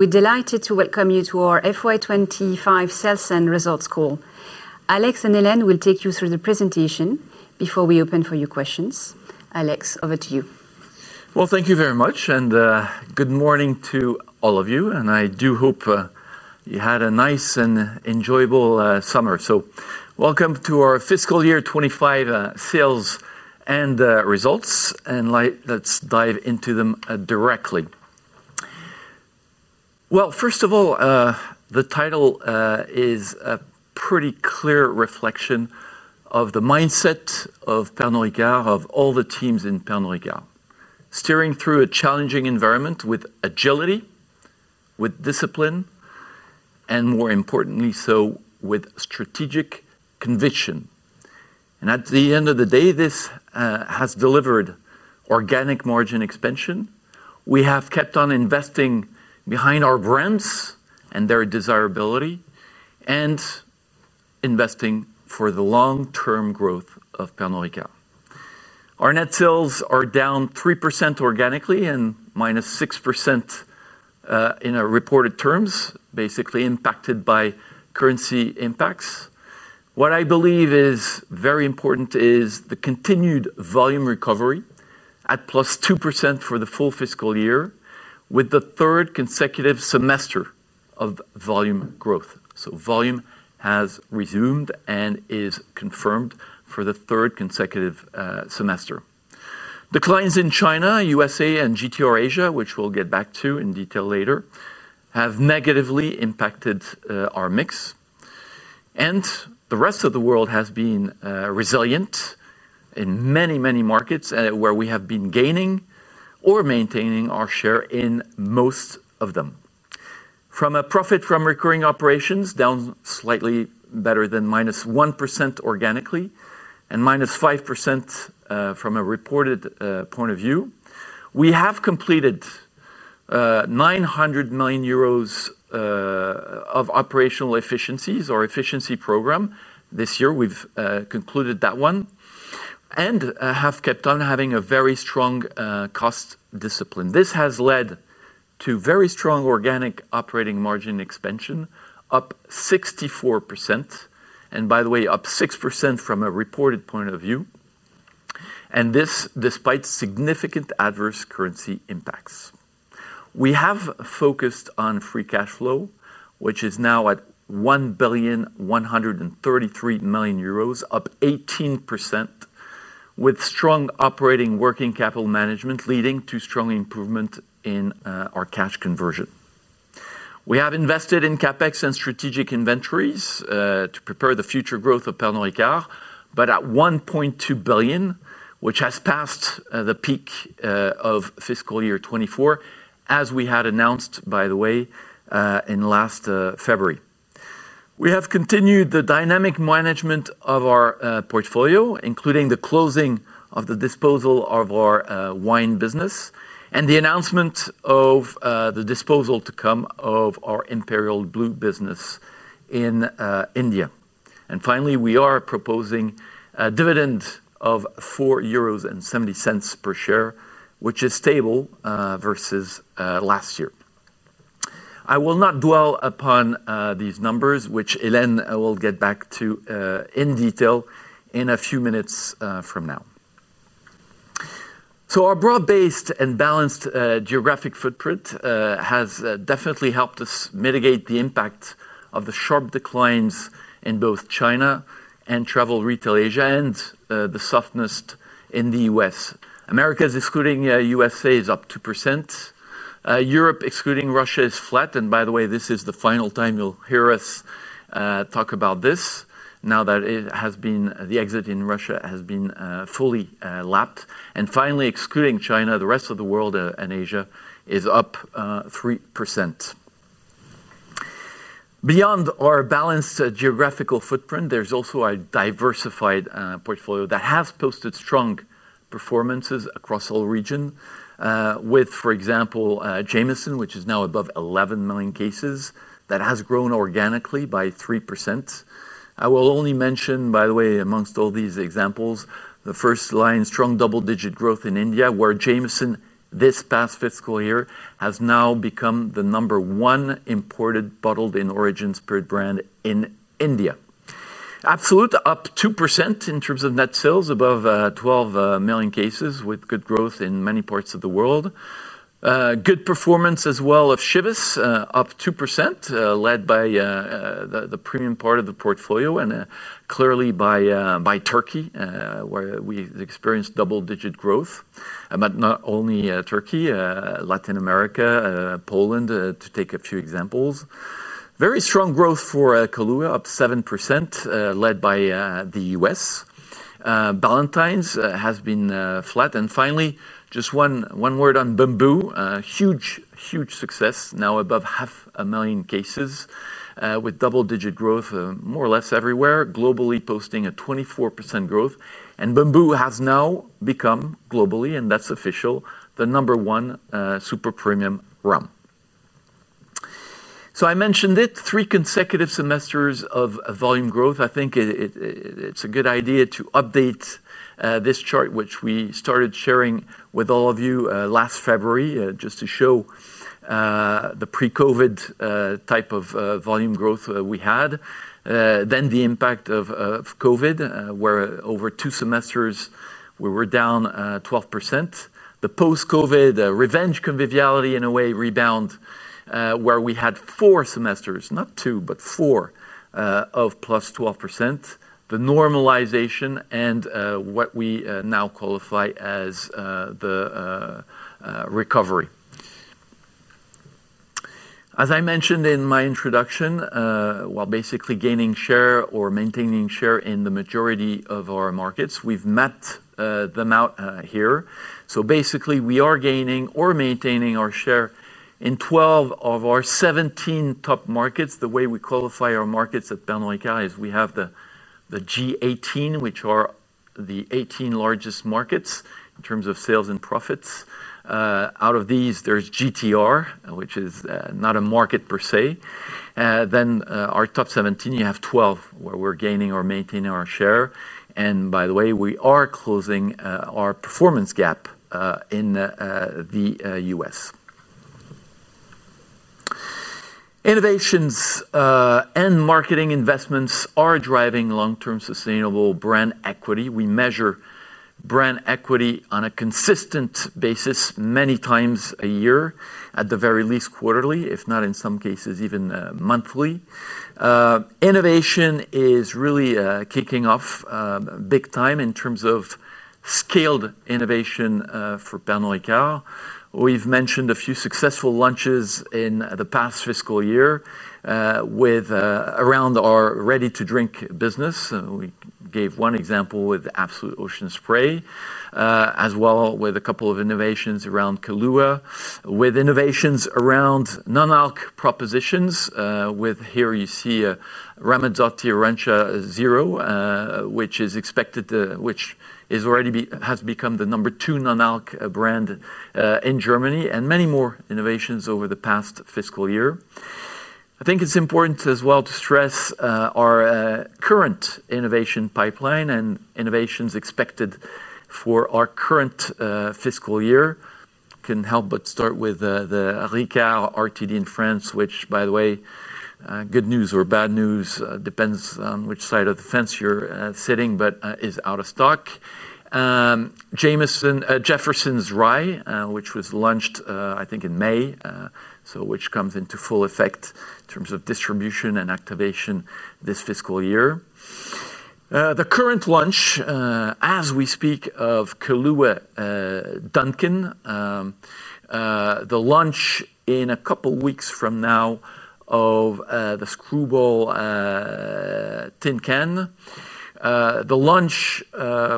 We're delighted to welcome you to our FY25 Sales and Results Call. Alex and Helene will take you through the presentation before we open for your questions. Alex, over to you. Thank you very much, and good morning to all of you. I do hope you had a nice and enjoyable summer. Welcome to our fiscal year 2025 sales and results. Let's dive into them directly. First of all, the title is a pretty clear reflection of the mindset of Pernod Ricard, of all the teams in Pernod Ricard. Steering through a challenging environment with agility, with discipline, and, more importantly, with strategic conviction. At the end of the day, this has delivered organic margin expansion. We have kept on investing behind our brands and their desirability, and investing for the long-term growth of Pernod Ricard. Our net sales are down 3% organically and -6% in our reported terms, basically impacted by currency impacts. What I believe is very important is the continued volume recovery at +2% for the full fiscal year, with the third consecutive semester of volume growth. Volume has resumed and is confirmed for the third consecutive semester. Declines in China, U.S.A., and Global Travel Retail GTR Asia, which we'll get back to in detail later, have negatively impacted our mix. The rest of the world has been resilient in many, many markets where we have been gaining or maintaining our share in most of them. From a profit from recurring operations, down slightly better than -1% organically, and -5% from a reported point of view, we have completed 900 million euros of operational efficiencies or efficiency program this year. We've concluded that one and have kept on having a very strong cost discipline. This has led to very strong organic operating margin expansion, up 64%. By the way, up 6% from a reported point of view. This is despite significant adverse currency impacts. We have focused on free cash flow, which is now at 1.133 billion euros, up 18%, with strong operating working capital management leading to strong improvement in our cash conversion. We have invested in CapEx and strategic inventories to prepare the future growth of Pernod Ricard, but at 1.2 billion, which has passed the peak of fiscal year 2024, as we had announced, by the way, in last February. We have continued the dynamic management of our portfolio, including the closing of the disposal of our wine business and the announcement of the disposal to come of our Imperial Blue business in India. Finally, we are proposing a dividend of 4.70 euros per share, which is stable versus last year. I will not dwell upon these numbers, which Helene will get back to in detail in a few minutes from now. Our broad-based and balanced geographic footprint has definitely helped us mitigate the impact of the sharp declines in both China and Travel Retail Asia, and the softness in the U.S. Americas excluding U.S.A. is up 2%. Europe excluding Russia is flat. By the way, this is the final time you'll hear us talk about this, now that the exit in Russia has been fully lapped. Finally, excluding China, the rest of the world and Asia is up 3%. Beyond our balanced geographical footprint, there's also a diversified portfolio that has posted strong performances across all regions, with, for example, Jameson, which is now above 11 million cases, that has grown organically by 3%. I will only mention, amongst all these examples, the first line strong double-digit growth in India, where Jameson this past fiscal year has now become the number one imported bottled in origin spirit brand in India. Absolut up 2% in terms of net sales above 12 million cases, with good growth in many parts of the world. Good performance as well of Chivas, up 2%, led by the premium part of the portfolio and clearly by Turkey, where we experienced double-digit growth. Not only Turkey, Latin America, Poland to take a few examples. Very strong growth for Kahlúa up 7%, led by the U.S. Ballantine's has been flat. Finally, just one word on Malibu, huge, huge success now above half a million cases, with double-digit growth more or less everywhere, globally posting a 24% growth. Malibu has now become globally, and that's official, the number one super premium rum. I mentioned it, three consecutive semesters of volume growth. I think it's a good idea to update this chart, which we started sharing with all of you last February, just to show the pre-COVID type of volume growth we had. Then the impact of COVID, where over two semesters we were down 12%. The post-COVID revenge conviviality, in a way, rebound, where we had four semesters, not two, but four of +12%. The normalization and what we now qualify as the recovery. As I mentioned in my introduction, while basically gaining share or maintaining share in the majority of our markets, we've mapped them out here. Basically, we are gaining or maintaining our share in 12 of our 17 top markets. The way we qualify our markets at Pernod Ricard is we have the G18, which are the 18 largest markets in terms of sales and profits. Out of these, there's GTR, which is not a market per se. Then our top 17, you have 12, where we're gaining or maintaining our share. By the way, we are closing our performance gap in the U.S. Innovations and marketing investments are driving long-term sustainable brand equity. We measure brand equity on a consistent basis many times a year, at the very least quarterly, if not in some cases even monthly. Innovation is really kicking off big time in terms of scaled innovation for Pernod Ricard. We've mentioned a few successful launches in the past fiscal year with around our ready-to-drink business. We gave one example with Absolut Ocean Spray, as well with a couple of innovations around Kahlúa, with innovations around non-alc propositions, with here you see Ramazzotti Arancia Zero, which is expected to, which has already become the number two non-alc brand in Germany, and many more innovations over the past fiscal year. I think it's important as well to stress our current innovation pipeline and innovations expected for our current fiscal year. Can help but start with the Ricard RTD in France, which, by the way, good news or bad news, depends on which side of the fence you're sitting, but is out of stock. Jameson, Jefferson's Rye, which was launched, I think, in May, so which comes into full effect in terms of distribution and activation this fiscal year. The current launch, as we speak of Kahlúa Dunkin, the launch in a couple of weeks from now of the Screwball tin can, the launch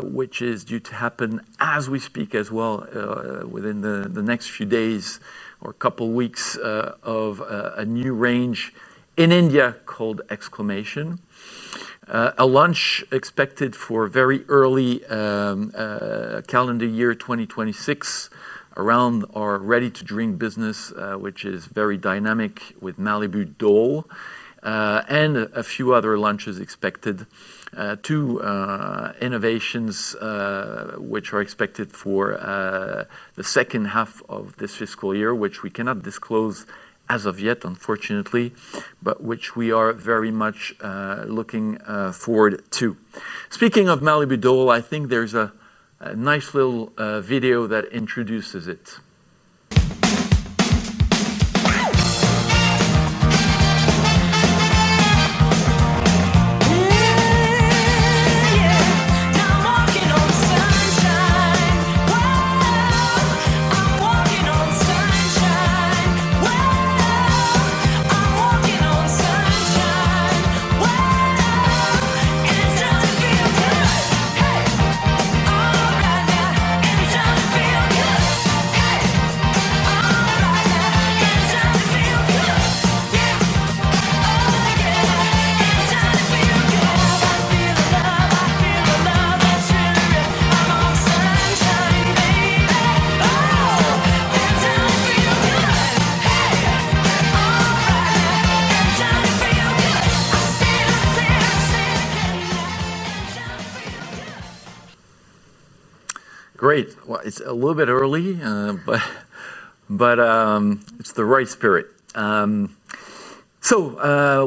which is due to happen as we speak as well within the next few days or a couple of weeks of a new range in India called Exclamation. A launch expected for very early calendar year 2026 around our ready-to-drink business, which is very dynamic with Malibu Dole and a few other launches expected. Two innovations which are expected for the second half of this fiscal year, which we cannot disclose as of yet, unfortunately, but which we are very much looking forward to. Speaking of Malibu Dole, I think there's a nice little video that introduces it. Great. It's a little bit early, but it's the right spirit.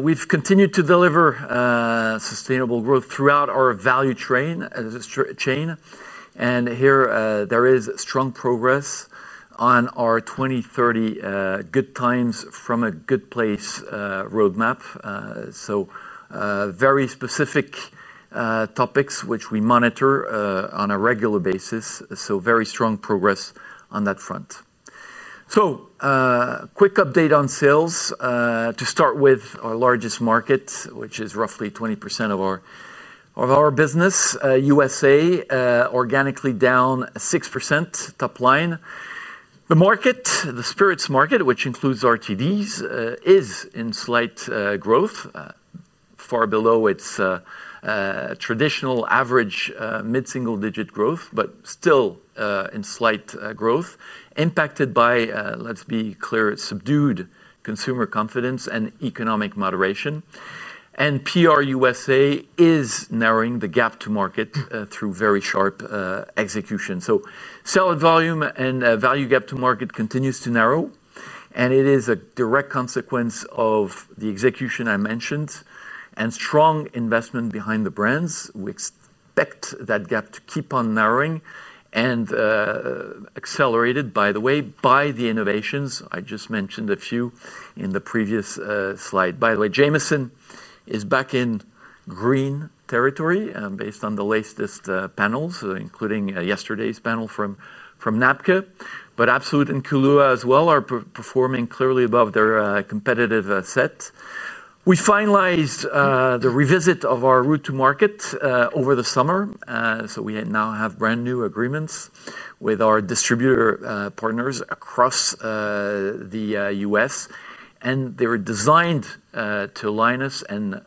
We've continued to deliver sustainable growth throughout our value chain. Here there is strong progress on our 2030 Good Times From a Good Place roadmap. Very specific topics which we monitor on a regular basis. Very strong progress on that front. A quick update on sales. To start with our largest market, which is roughly 20% of our business, U.S.A., organically down 6% top line. The market, the spirits market, which includes RTDs, is in slight growth, far below its traditional average mid-single-digit growth, but still in slight growth, impacted by, let's be clear, subdued consumer confidence and economic moderation. PR U.S.A. is narrowing the gap to market through very sharp execution. Sell at volume and value gap to market continues to narrow. It is a direct consequence of the execution I mentioned and strong investment behind the brands, which expect that gap to keep on narrowing and accelerated, by the way, by the innovations I just mentioned a few in the previous slide. By the way, Jameson is back in green territory based on the latest panels, including yesterday's panel from NAPCA. Absolut and Kahlúa as well are performing clearly above their competitive set. We finalized the revisit of our route to market over the summer. We now have brand new agreements with our distributor partners across the US. They were designed to align us and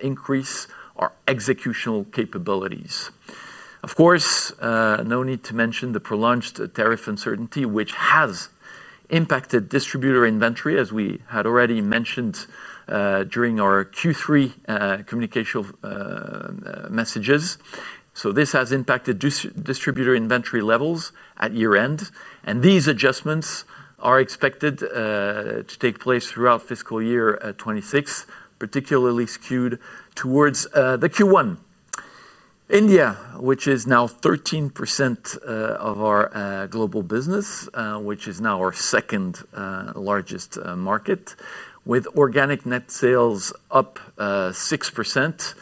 increase our executional capabilities. Of course, no need to mention the prolonged tariff uncertainty, which has impacted distributor inventory, as we had already mentioned during our Q3 communication messages. This has impacted distributor inventory levels at year-end. These adjustments are expected to take place throughout fiscal year 2026, particularly skewed towards Q1. India, which is now 13% of our global business, is now our second largest market, with organic net sales up 6%.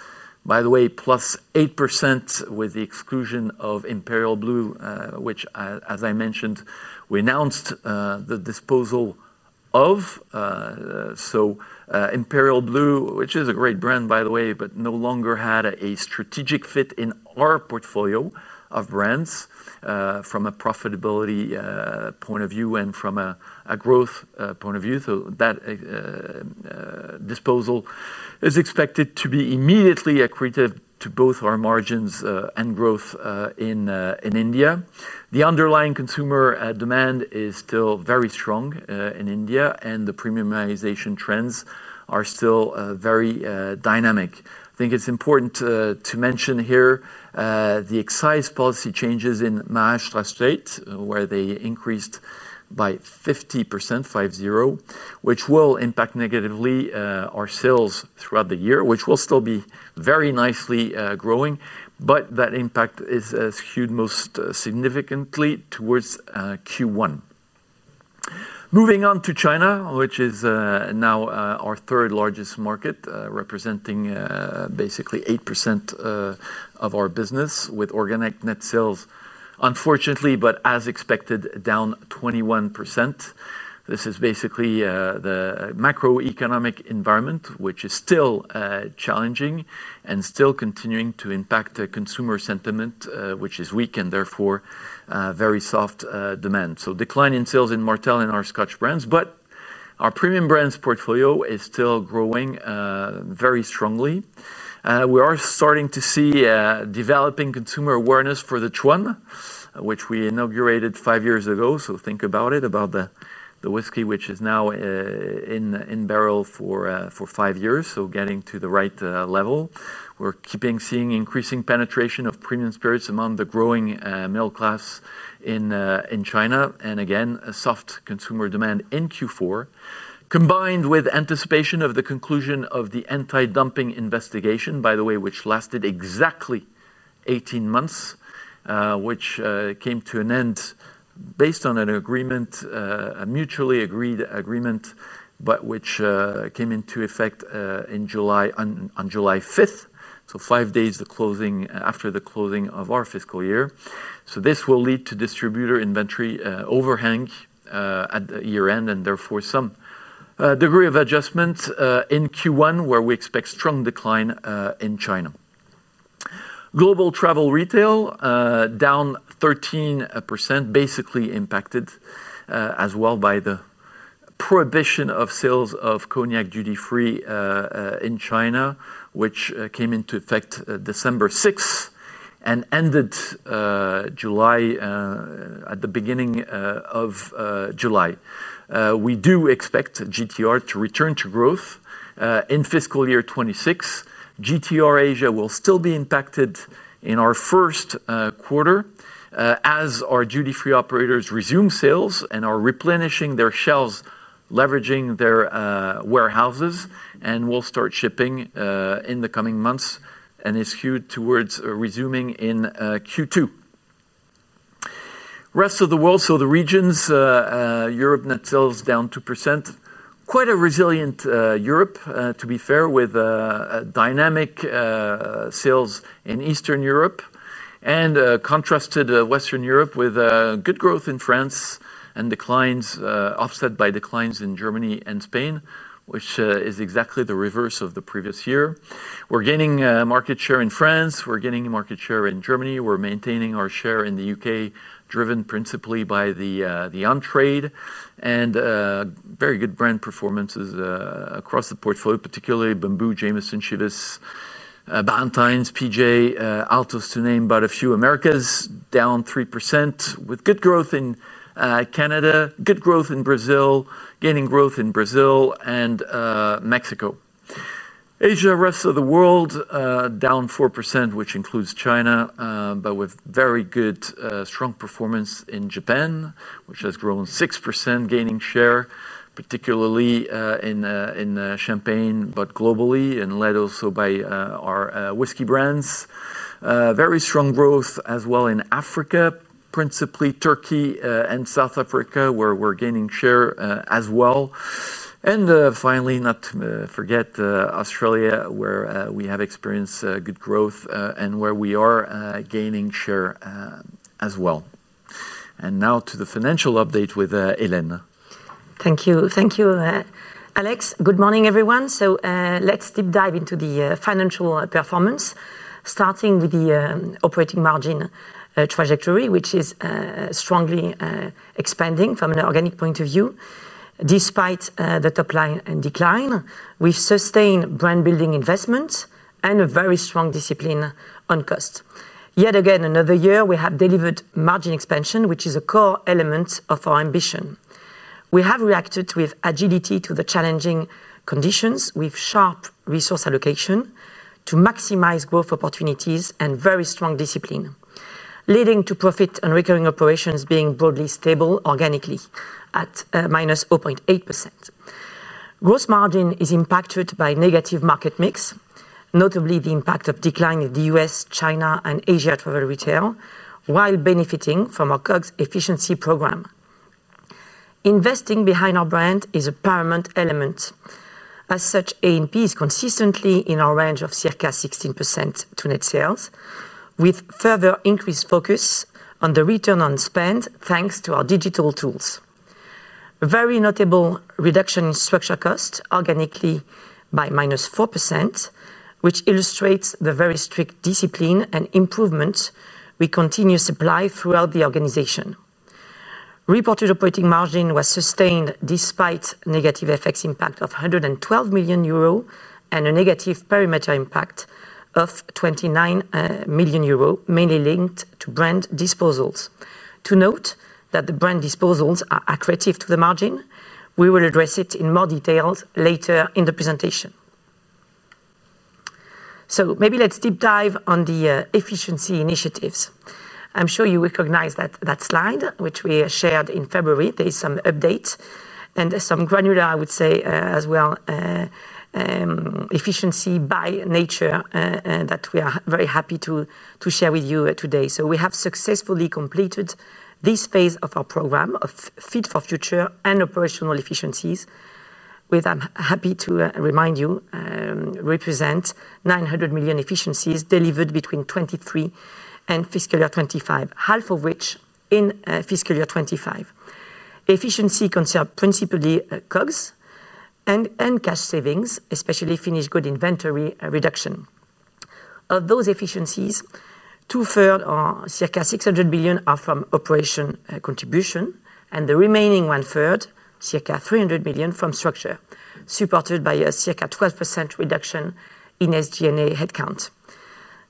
+8% with the exclusion of Imperial Blue, which, as I mentioned, we announced the disposal of Imperial Blue, which is a great brand, by the way, but no longer had a strategic fit in our portfolio of brands from a profitability point of view and from a growth point of view. That disposal is expected to be immediately accretive to both our margins and growth in India. The underlying consumer demand is still very strong in India, and the premiumization trends are still very dynamic. I think it's important to mention here the excise policy changes in Maharashtra state, where they increased by 50%, five-zero which will impact negatively our sales throughout the year, which will still be very nicely growing. That impact is skewed most significantly towards Q1. Moving on to China, which is now our third largest market, representing basically 8% of our business, with organic net sales, unfortunately, but as expected, down 21%. This is basically the macroeconomic environment, which is still challenging and still continuing to impact the consumer sentiment, which is weak and therefore very soft demand. Decline in sales in Martell and our Scotch brands, but our premium brands portfolio is still growing very strongly. We are starting to see developing consumer awareness for the Chuan, which we inaugurated five years ago. Think about it, about the whiskey, which is now in barrel for five years. Getting to the right level. We're keeping seeing increasing penetration of premium spirits among the growing middle class in China. Again, a soft consumer demand in Q4, combined with anticipation of the conclusion of the anti-dumping investigation, by the way, which lasted exactly 18 months, which came to an end based on an agreement, a mutually agreed agreement, which came into effect on July 5th. Five days after the closing of our fiscal year. This will lead to distributor inventory overhang at the year-end and therefore some degree of adjustment in Q1, where we expect strong decline in China. Global Travel Retail down 13%, basically impacted as well by the prohibition of sales of cognac duty-free in China, which came into effect December 6th and ended at the beginning of July. We do expect GTR to return to growth in fiscal year 2026. GTR Asia will still be impacted in our first quarter as our duty-free operators resume sales and are replenishing their shelves, leveraging their warehouses, and will start shipping in the coming months and is skewed towards resuming in Q2. Rest of the world, so the regions, Europe net sales down 2%. Quite a resilient Europe, to be fair, with dynamic sales in Eastern Europe and contrasted Western Europe with good growth in France and declines offset by declines in Germany and Spain, which is exactly the reverse of the previous year. We're gaining market share in France. We're gaining market share in Germany. We're maintaining our share in the U.K. driven principally by the on-trade and very good brand performances across the portfolio, particularly Bamboo, Jameson, Zhi-Qiang Zhang, Ballantine's, PJ, Altos to name but a few. Americas down 3% with good growth in Canada, good growth in Brazil, gaining growth in Brazil and Mexico. Asia, rest of the world, down 4%, which includes China, with very good strong performance in Japan, which has grown 6%, gaining share, particularly in Champagne, but globally and led also by our whiskey brands. Very strong growth as well in Africa, principally Turkey and South Africa, where we're gaining share as well. Finally, not to forget, Australia, where we have experienced good growth and where we are gaining share as well. Now to the financial update with Helene. Thank you. Thank you, Alex. Good morning, everyone. Let's deep dive into the financial performance, starting with the operating margin trajectory, which is strongly expanding from an organic point of view. Despite the top line and decline, we've sustained brand-building investments and a very strong discipline on cost. Yet again, another year, we have delivered margin expansion, which is a core element of our ambition. We have reacted with agility to the challenging conditions with sharp resource allocation to maximize growth opportunities and very strong discipline, leading to profit and recurring operations being broadly stable organically at -0.8%. Gross margin is impacted by negative market mix, notably the impact of decline in the U.S., China, and Travel Retail Asia, while benefiting from our COGS efficiency program. Investing behind our brand is a paramount element. As such, A&P is consistently in our range of circa 16% to net sales, with further increased focus on the return on spend thanks to our digital tools. A very notable reduction in structure cost organically by -4%, which illustrates the very strict discipline and improvement we continue to supply throughout the organization. Reported operating margin was sustained despite negative FX impact of 112 million euro and a negative perimeter impact of 29 million euro, mainly linked to brand disposals. To note that the brand disposals are accretive to the margin. We will address it in more detail later in the presentation. Maybe let's deep dive on the efficiency initiatives. I'm sure you recognize that slide, which we shared in February. There are some updates and some granular, I would say, as well, efficiency by nature that we are very happy to share with you today. We have successfully completed this phase of our program of Feed for Future and operational efficiencies, which I'm happy to remind you represent 900 million efficiencies delivered between 2023 and fiscal year 2025, half of which in fiscal year 2025. Efficiency concerned principally COGS and cash savings, especially finished good inventory reduction. Of those efficiencies, two-thirds or circa 600 million are from operation contribution, and the remaining one-third, circa 300 million, from structure, supported by a circa 12% reduction in SG&A headcount.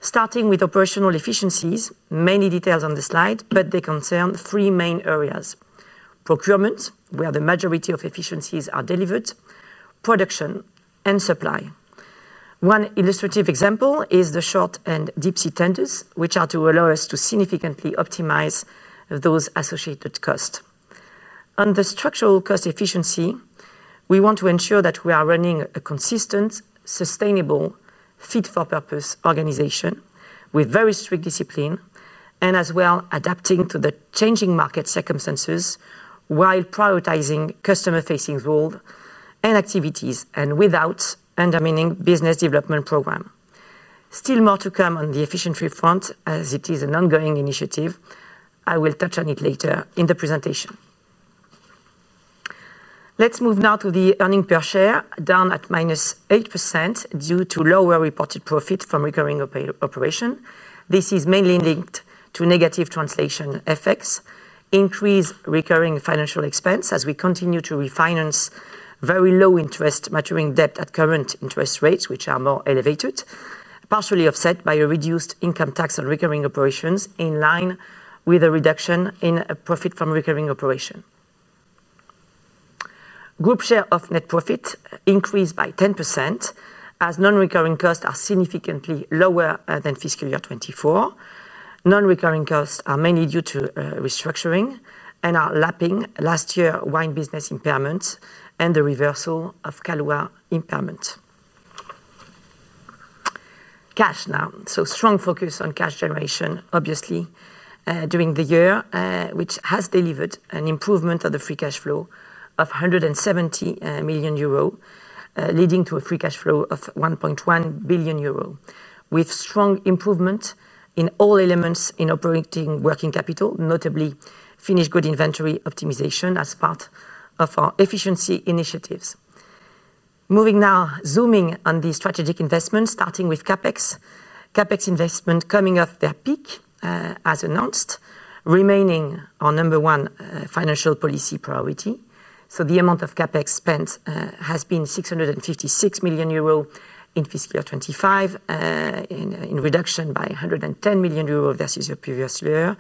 Starting with operational efficiencies, many details on the slide, but they concern three main areas. Procurement, where the majority of efficiencies are delivered, production, and supply. One illustrative example is the short and deep sea tenders, which are to allow us to significantly optimize those associated costs. On the structural cost efficiency, we want to ensure that we are running a consistent, sustainable, fit-for-purpose organization with very strict discipline and as well adapting to the changing market circumstances while prioritizing customer-facing role and activities and without undermining business development program. Still more to come on the efficiency front, as it is an ongoing initiative. I will touch on it later in the presentation. Let's move now to the earning per share down at -8% due to lower reported profit from recurring operation. This is mainly linked to negative translation effects, increased recurring financial expense as we continue to refinance very low interest maturing debt at current interest rates, which are more elevated, partially offset by a reduced income tax on recurring operations in line with a reduction in profit from recurring operation. Group share of net profit increased by 10% as non-recurring costs are significantly lower than fiscal year 2024. Non-recurring costs are mainly due to restructuring and are lapping last year wine business impairment and the reversal of Kahlúa impairment. Cash now. Strong focus on cash generation, obviously, during the year, which has delivered an improvement of the free cash flow of 170 million euro, leading to a free cash flow of 1.1 billion euro, with strong improvement in all elements in operating working capital, notably finished good inventory optimization as part of our efficiency initiatives. Moving now, zooming on the strategic investments, starting with CapEx. CapEx investment coming off their peak as announced, remaining our number one financial policy priority. The amount of CapEx spent has been 656 million euro in fiscal year 2025 and in reduction by 110 million euro versus the previous year,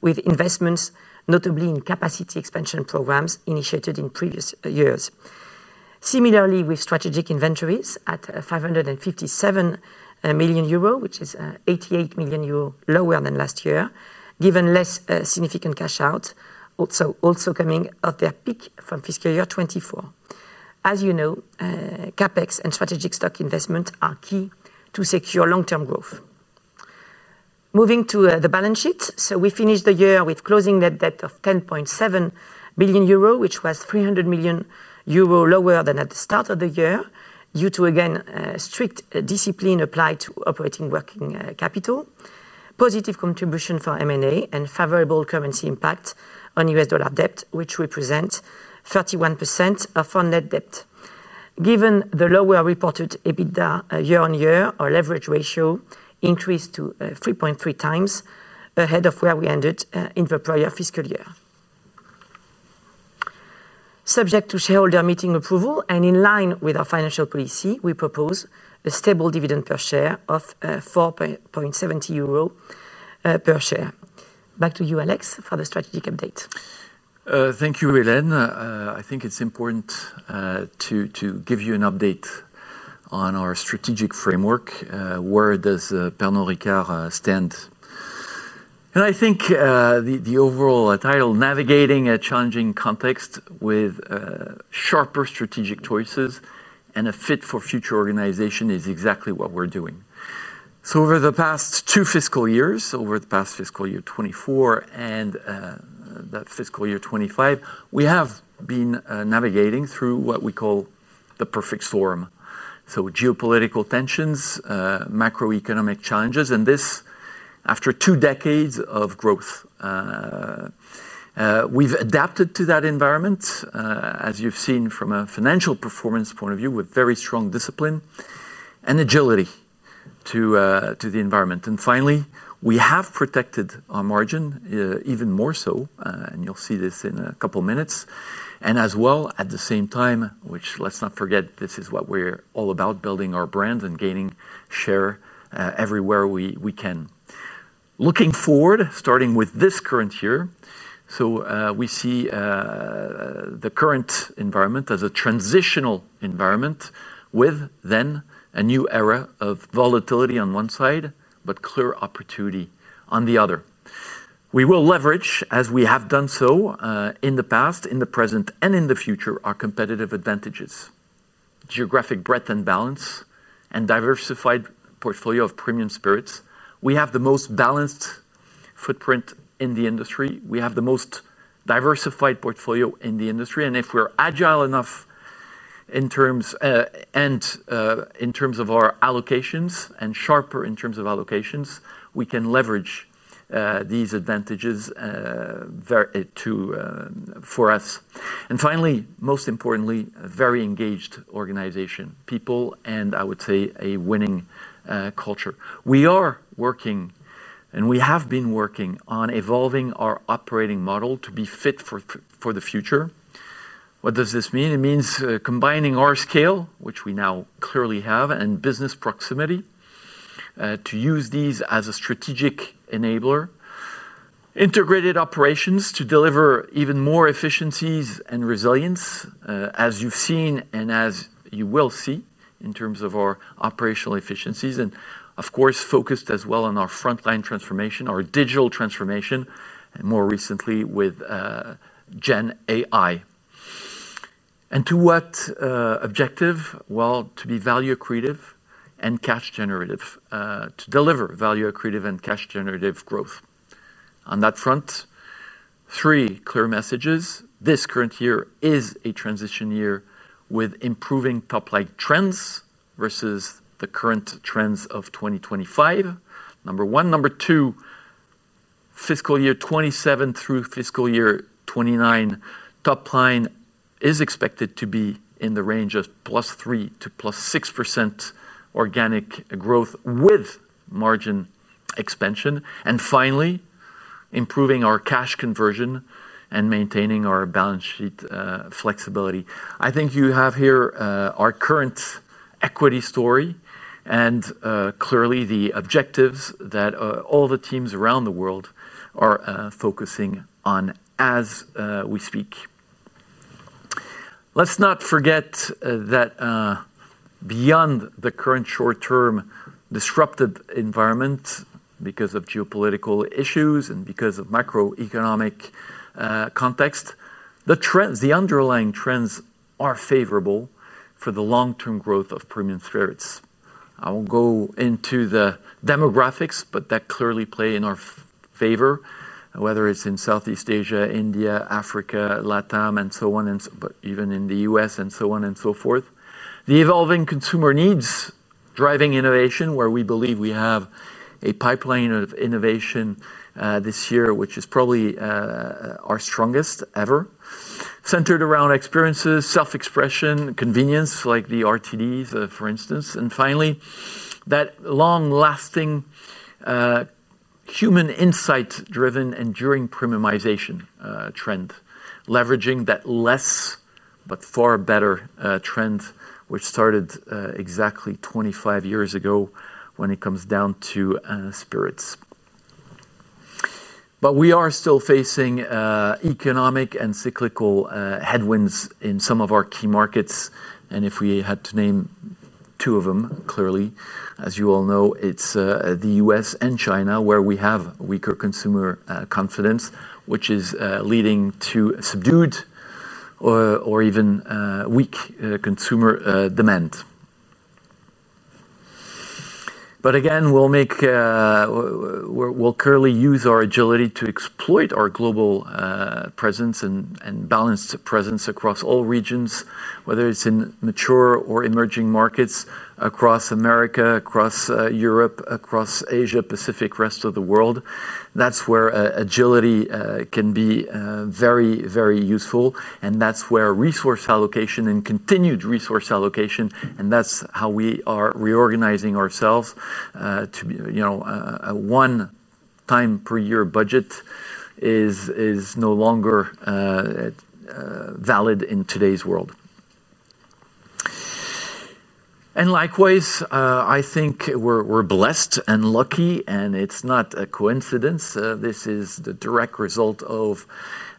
with investments notably in capacity expansion programs initiated in previous years. Similarly, with strategic inventories at 557 million euro, which is 88 million euro lower than last year, given less significant cash out, also coming off their peak from fiscal year 2024. As you know, CapEx and strategic stock investment are key to secure long-term growth. Moving to the balance sheet. We finished the year with closing net debt of 10.7 billion euro, which was 300 million euro lower than at the start of the year due to, again, strict discipline applied to operating working capital, positive contribution for M&A, and favorable currency impact on U.S. dollar debt, which represents 31% of our net debt. Given the lower reported EBITDA year on year, our leverage ratio increased to 3.3x, ahead of where we ended in the prior fiscal year. Subject to shareholder meeting approval and in line with our financial policy, we propose a stable dividend per share of 4.70 euro per share. Back to you, Alex, for the strategic update. Thank you, Helene. I think it's important to give you an update on our strategic framework. Where does Pernod Ricard stand? I think the overall title, "Navigating a Challenging Context with Sharper Strategic Choices and a Fit for Future Organization," is exactly what we're doing. Over the past two fiscal years, over the past fiscal year 2024 and that fiscal year 2025, we have been navigating through what we call the perfect storm. Geopolitical tensions, macroeconomic challenges, and this, after two decades of growth, we've adapted to that environment, as you've seen from a financial performance point of view, with very strong discipline and agility to the environment. Finally, we have protected our margin even more so, and you'll see this in a couple of minutes. At the same time, which let's not forget, this is what we're all about, building our brand and gaining share everywhere we can. Looking forward, starting with this current year, we see the current environment as a transitional environment with then a new era of volatility on one side, but clear opportunity on the other. We will leverage, as we have done so in the past, in the present, and in the future, our competitive advantages. Geographic breadth and balance and diversified portfolio of premium spirits, we have the most balanced footprint in the industry. We have the most diversified portfolio in the industry. If we're agile enough in terms of our allocations and sharper in terms of allocations, we can leverage these advantages for us. Finally, most importantly, a very engaged organization, people, and I would say a winning culture. We are working, and we have been working on evolving our operating model to be fit for the future. What does this mean? It means combining our scale, which we now clearly have, and business proximity to use these as a strategic enabler, integrated operations to deliver even more efficiencies and resilience, as you've seen and as you will see in terms of our operational efficiencies. Of course, focused as well on our frontline transformation, our digital transformation, and more recently with GenAI. To what objective? To be value creative and cash generative, to deliver value creative and cash generative growth. On that front, three clear messages. This current year is a transition year with improving top line trends versus the current trends of 2025, number one. Number two, fiscal year 2027 through fiscal year 2029, top line is expected to be in the range of +3% to +6% organic growth with margin expansion. Finally, improving our cash conversion and maintaining our balance sheet flexibility. I think you have here our current equity story and clearly the objectives that all the teams around the world are focusing on as we speak. Let's not forget that beyond the current short-term disruptive environment because of geopolitical issues and because of macroeconomic context, the trends, the underlying trends are favorable for the long-term growth of premium spirits. I won't go into the demographics, but that clearly play in our favor, whether it's in Southeast Asia, India, Africa, LatAm, and so on and so forth, even in the U.S., and so on and so forth. The evolving consumer needs driving innovation, where we believe we have a pipeline of innovation this year, which is probably our strongest ever, centered around experiences, self-expression, convenience, like the RTDs, for instance. Finally, that long-lasting human insight-driven enduring premiumization trend, leveraging that less but far better trend, which started exactly 25 years ago when it comes down to spirits. We are still facing economic and cyclical headwinds in some of our key markets. If we had to name two of them, clearly, as you all know, it's the U.S. and China, where we have weaker consumer confidence, which is leading to subdued or even weak consumer demand. Again, we'll clearly use our agility to exploit our global presence and balanced presence across all regions, whether it's in mature or emerging markets, across America, across Europe, across Asia, Pacific, rest of the world. That's where agility can be very, very useful. That's where resource allocation and continued resource allocation, and that's how we are reorganizing ourselves to, you know, a one-time per year budget is no longer valid in today's world. Likewise, I think we're blessed and lucky, and it's not a coincidence. This is the direct result of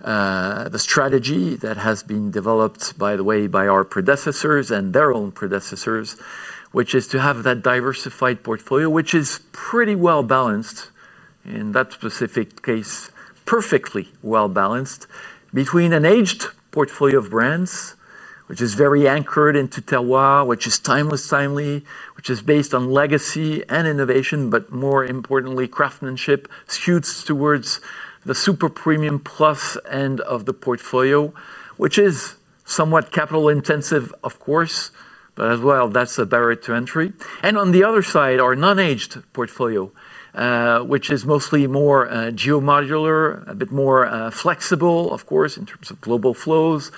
the strategy that has been developed, by the way, by our predecessors and their own predecessors, which is to have that diversified portfolio, which is pretty well balanced. In that specific case, perfectly well balanced between an aged portfolio of brands, which is very anchored into terroir, which is timeless, timely, which is based on legacy and innovation, but more importantly, craftsmanship skews towards the super premium plus end of the portfolio, which is somewhat capital intensive, of course, but as well, that's a barrier to entry. On the other side, our non-aged portfolio, which is mostly more geomodular, a bit more flexible, of course, in terms of global flows,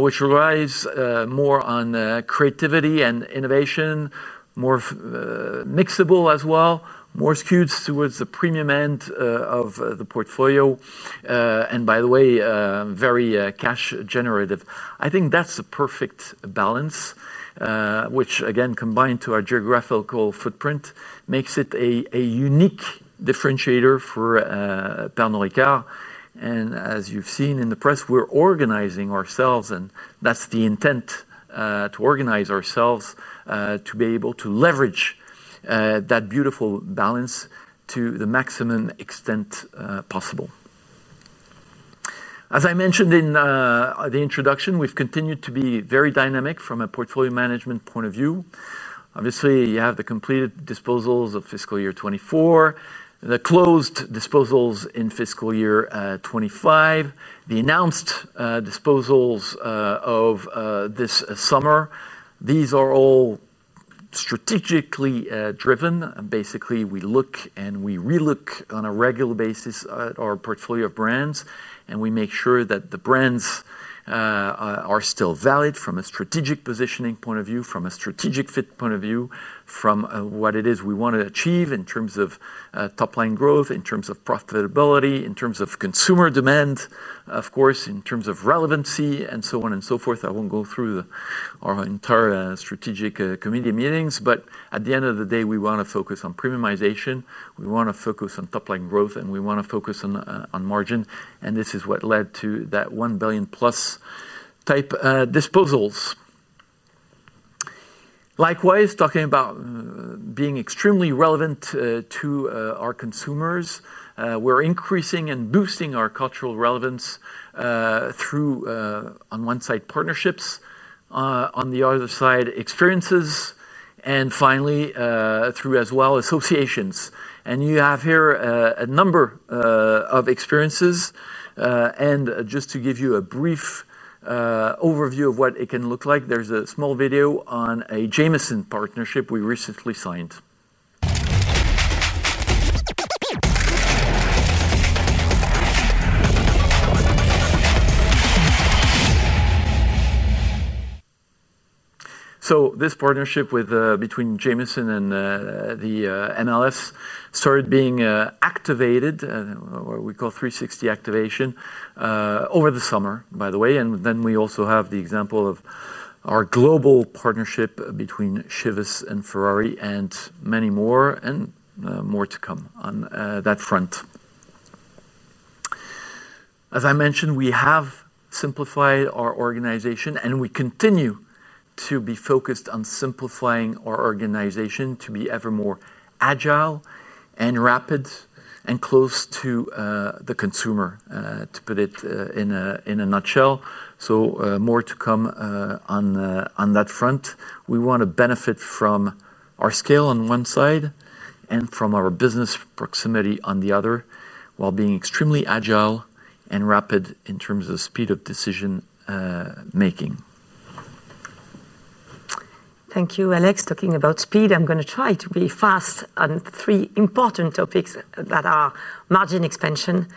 which relies more on creativity and innovation, more mixable as well, more skews towards the premium end of the portfolio, and by the way, very cash generative. I think that's a perfect balance, which again, combined to our geographical footprint, makes it a unique differentiator for Pernod Ricard. As you've seen in the press, we're organizing ourselves, and that's the intent to organize ourselves to be able to leverage that beautiful balance to the maximum extent possible. As I mentioned in the introduction, we've continued to be very dynamic from a portfolio management point of view. Obviously, you have the completed disposals of fiscal year 2024, the closed disposals in fiscal year 2025, the announced disposals of this summer. These are all strategically driven. Basically, we look and we relook on a regular basis at our portfolio of brands, and we make sure that the brands are still valid from a strategic positioning point of view, from a strategic fit point of view, from what it is we want to achieve in terms of top line growth, in terms of profitability, in terms of consumer demand, of course, in terms of relevancy, and so on and so forth. I won't go through our entire strategic committee meetings, but at the end of the day, we want to focus on premiumization. We want to focus on top line growth, and we want to focus on margin. This is what led to that $1 billion+ type disposals. Likewise, talking about being extremely relevant to our consumers, we're increasing and boosting our cultural relevance through on one side, partnerships, on the other side, experiences, and finally, through as well, associations. You have here a number of experiences. Just to give you a brief overview of what it can look like, there's a small video on a Jameson partnership we recently signed. This partnership between Jameson and the MLS started being activated, what we call 360 activation, over the summer, by the way. We also have the example of our global partnership between Chivas and Ferrari and many more, and more to come on that front. As I mentioned, we have simplified our organization, and we continue to be focused on simplifying our organization to be ever more agile and rapid and close to the consumer, to put it in a nutshell. More to come on that front. We want to benefit from our scale on one side and from our business proximity on the other, while being extremely agile and rapid in terms of speed of decision making. Thank you, Alex. Talking about speed, I'm going to try to be fast on three important topics that are margin expansion,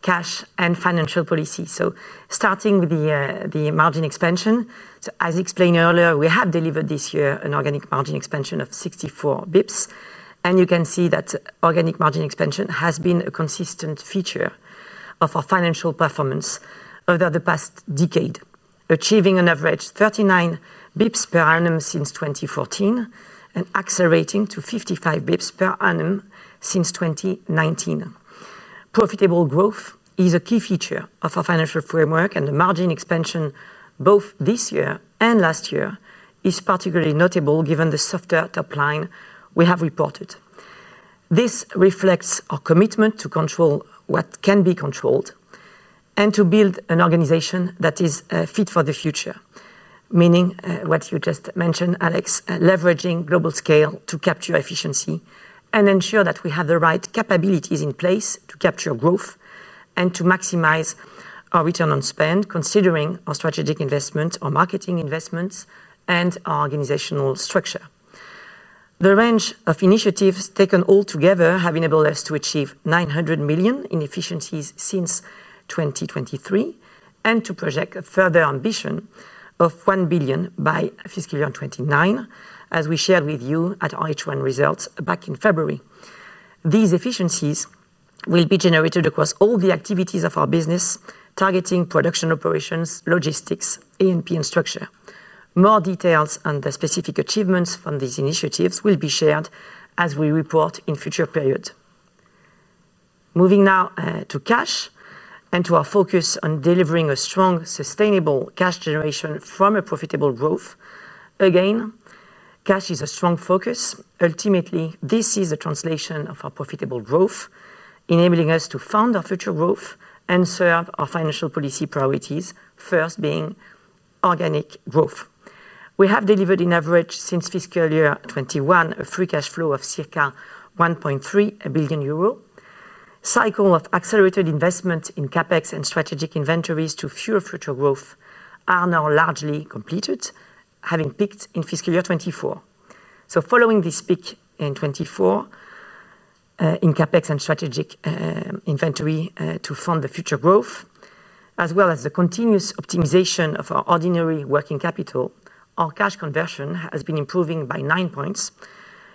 cash, and financial policy. Starting with the margin expansion. As explained earlier, we have delivered this year an organic margin expansion of 64 bps. You can see that organic margin expansion has been a consistent feature of our financial performance over the past decade, achieving an average of 39 basis points per annum since 2014 and accelerating to 55 basis points per annum since 2019. Profitable growth is a key feature of our financial framework, and the margin expansion, both this year and last year, is particularly notable given the softer top line we have reported. This reflects our commitment to control what can be controlled and to build an organization that is fit for the future, meaning what you just mentioned, Alex, leveraging global scale to capture efficiency and ensure that we have the right capabilities in place to capture growth and to maximize our return on spend, considering our strategic investments, our marketing investments, and our organizational structure. The range of initiatives taken all together have enabled us to achieve 900 million in efficiencies since 2023 and to project a further ambition of 1 billion by fiscal year 2029, as we shared with you at RH1 Results back in February. These efficiencies will be generated across all the activities of our business, targeting production operations, logistics, A&P, and structure. More details on the specific achievements from these initiatives will be shared as we report in future periods. Moving now to cash and to our focus on delivering a strong, sustainable cash generation from a profitable growth. Cash is a strong focus. Ultimately, this is the translation of our profitable growth, enabling us to fund our future growth and serve our financial policy priorities, first being organic growth. We have delivered an average since fiscal year 2021 of free cash flow of circa 1.3 billion euro. Cycles of accelerated investment in CapEx and strategic inventories to fuel future growth are now largely completed, having peaked in fiscal year 2024. Following this peak in 2024 in CapEx and strategic inventory to fund the future growth, as well as the continuous optimization of our ordinary working capital, our cash conversion has been improving by 9 points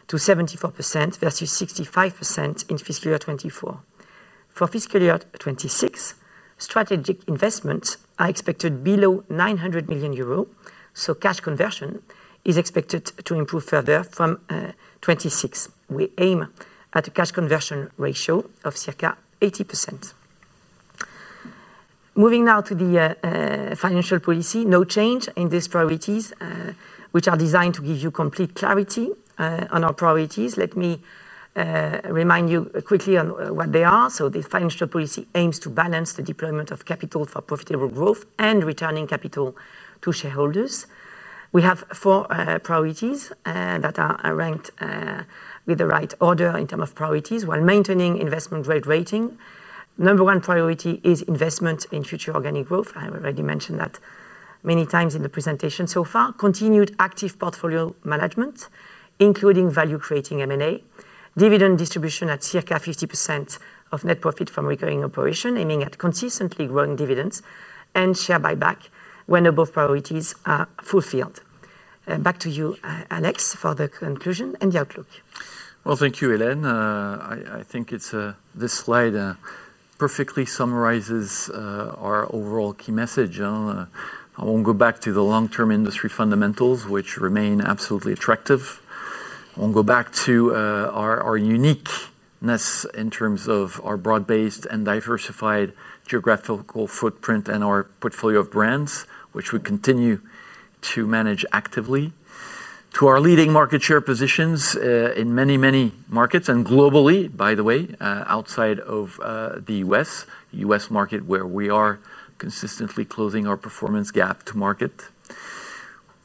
to 74% versus 65% in fiscal year 2024. For fiscal year 2026, strategic investments are expected below 900 million euro, so cash conversion is expected to improve further from 2026. We aim at a cash conversion ratio of circa 80%. Moving now to the financial policy, no change in these priorities, which are designed to give you complete clarity on our priorities. Let me remind you quickly on what they are. The financial policy aims to balance the deployment of capital for profitable growth and returning capital to shareholders. We have four priorities that are ranked with the right order in terms of priorities while maintaining investment grade rating. Number one priority is investment in future organic growth. I already mentioned that many times in the presentation so far. Continued active portfolio management, including value creating M&A, dividend distribution at circa 50% of net profit from recurring operations, aiming at consistently growing dividends and share buyback when both priorities are fulfilled. Back to you, Alex, for the conclusion and the outlook. Thank you, Helene. I think this slide perfectly summarizes our overall key message. I won't go back to the long-term industry fundamentals, which remain absolutely attractive. I won't go back to our uniqueness in terms of our broad-based and diversified geographical footprint and our portfolio of brands, which we continue to manage actively, to our leading market share positions in many, many markets and globally, by the way, outside of the U.S. market where we are consistently closing our performance gap to market.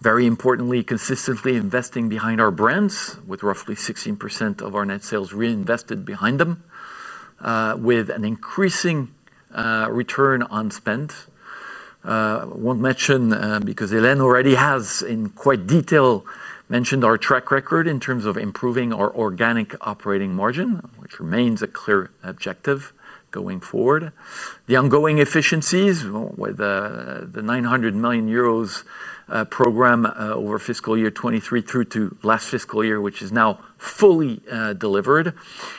Very importantly, consistently investing behind our brands, with roughly 16% of our net sales reinvested behind them, with an increasing return on spend. I won't mention because Hélène already has in quite detail mentioned our track record in terms of improving our organic operating margin, which remains a clear objective going forward. The ongoing efficiencies with the 900 million euros program over fiscal year 2023 through to last fiscal year, which is now fully delivered.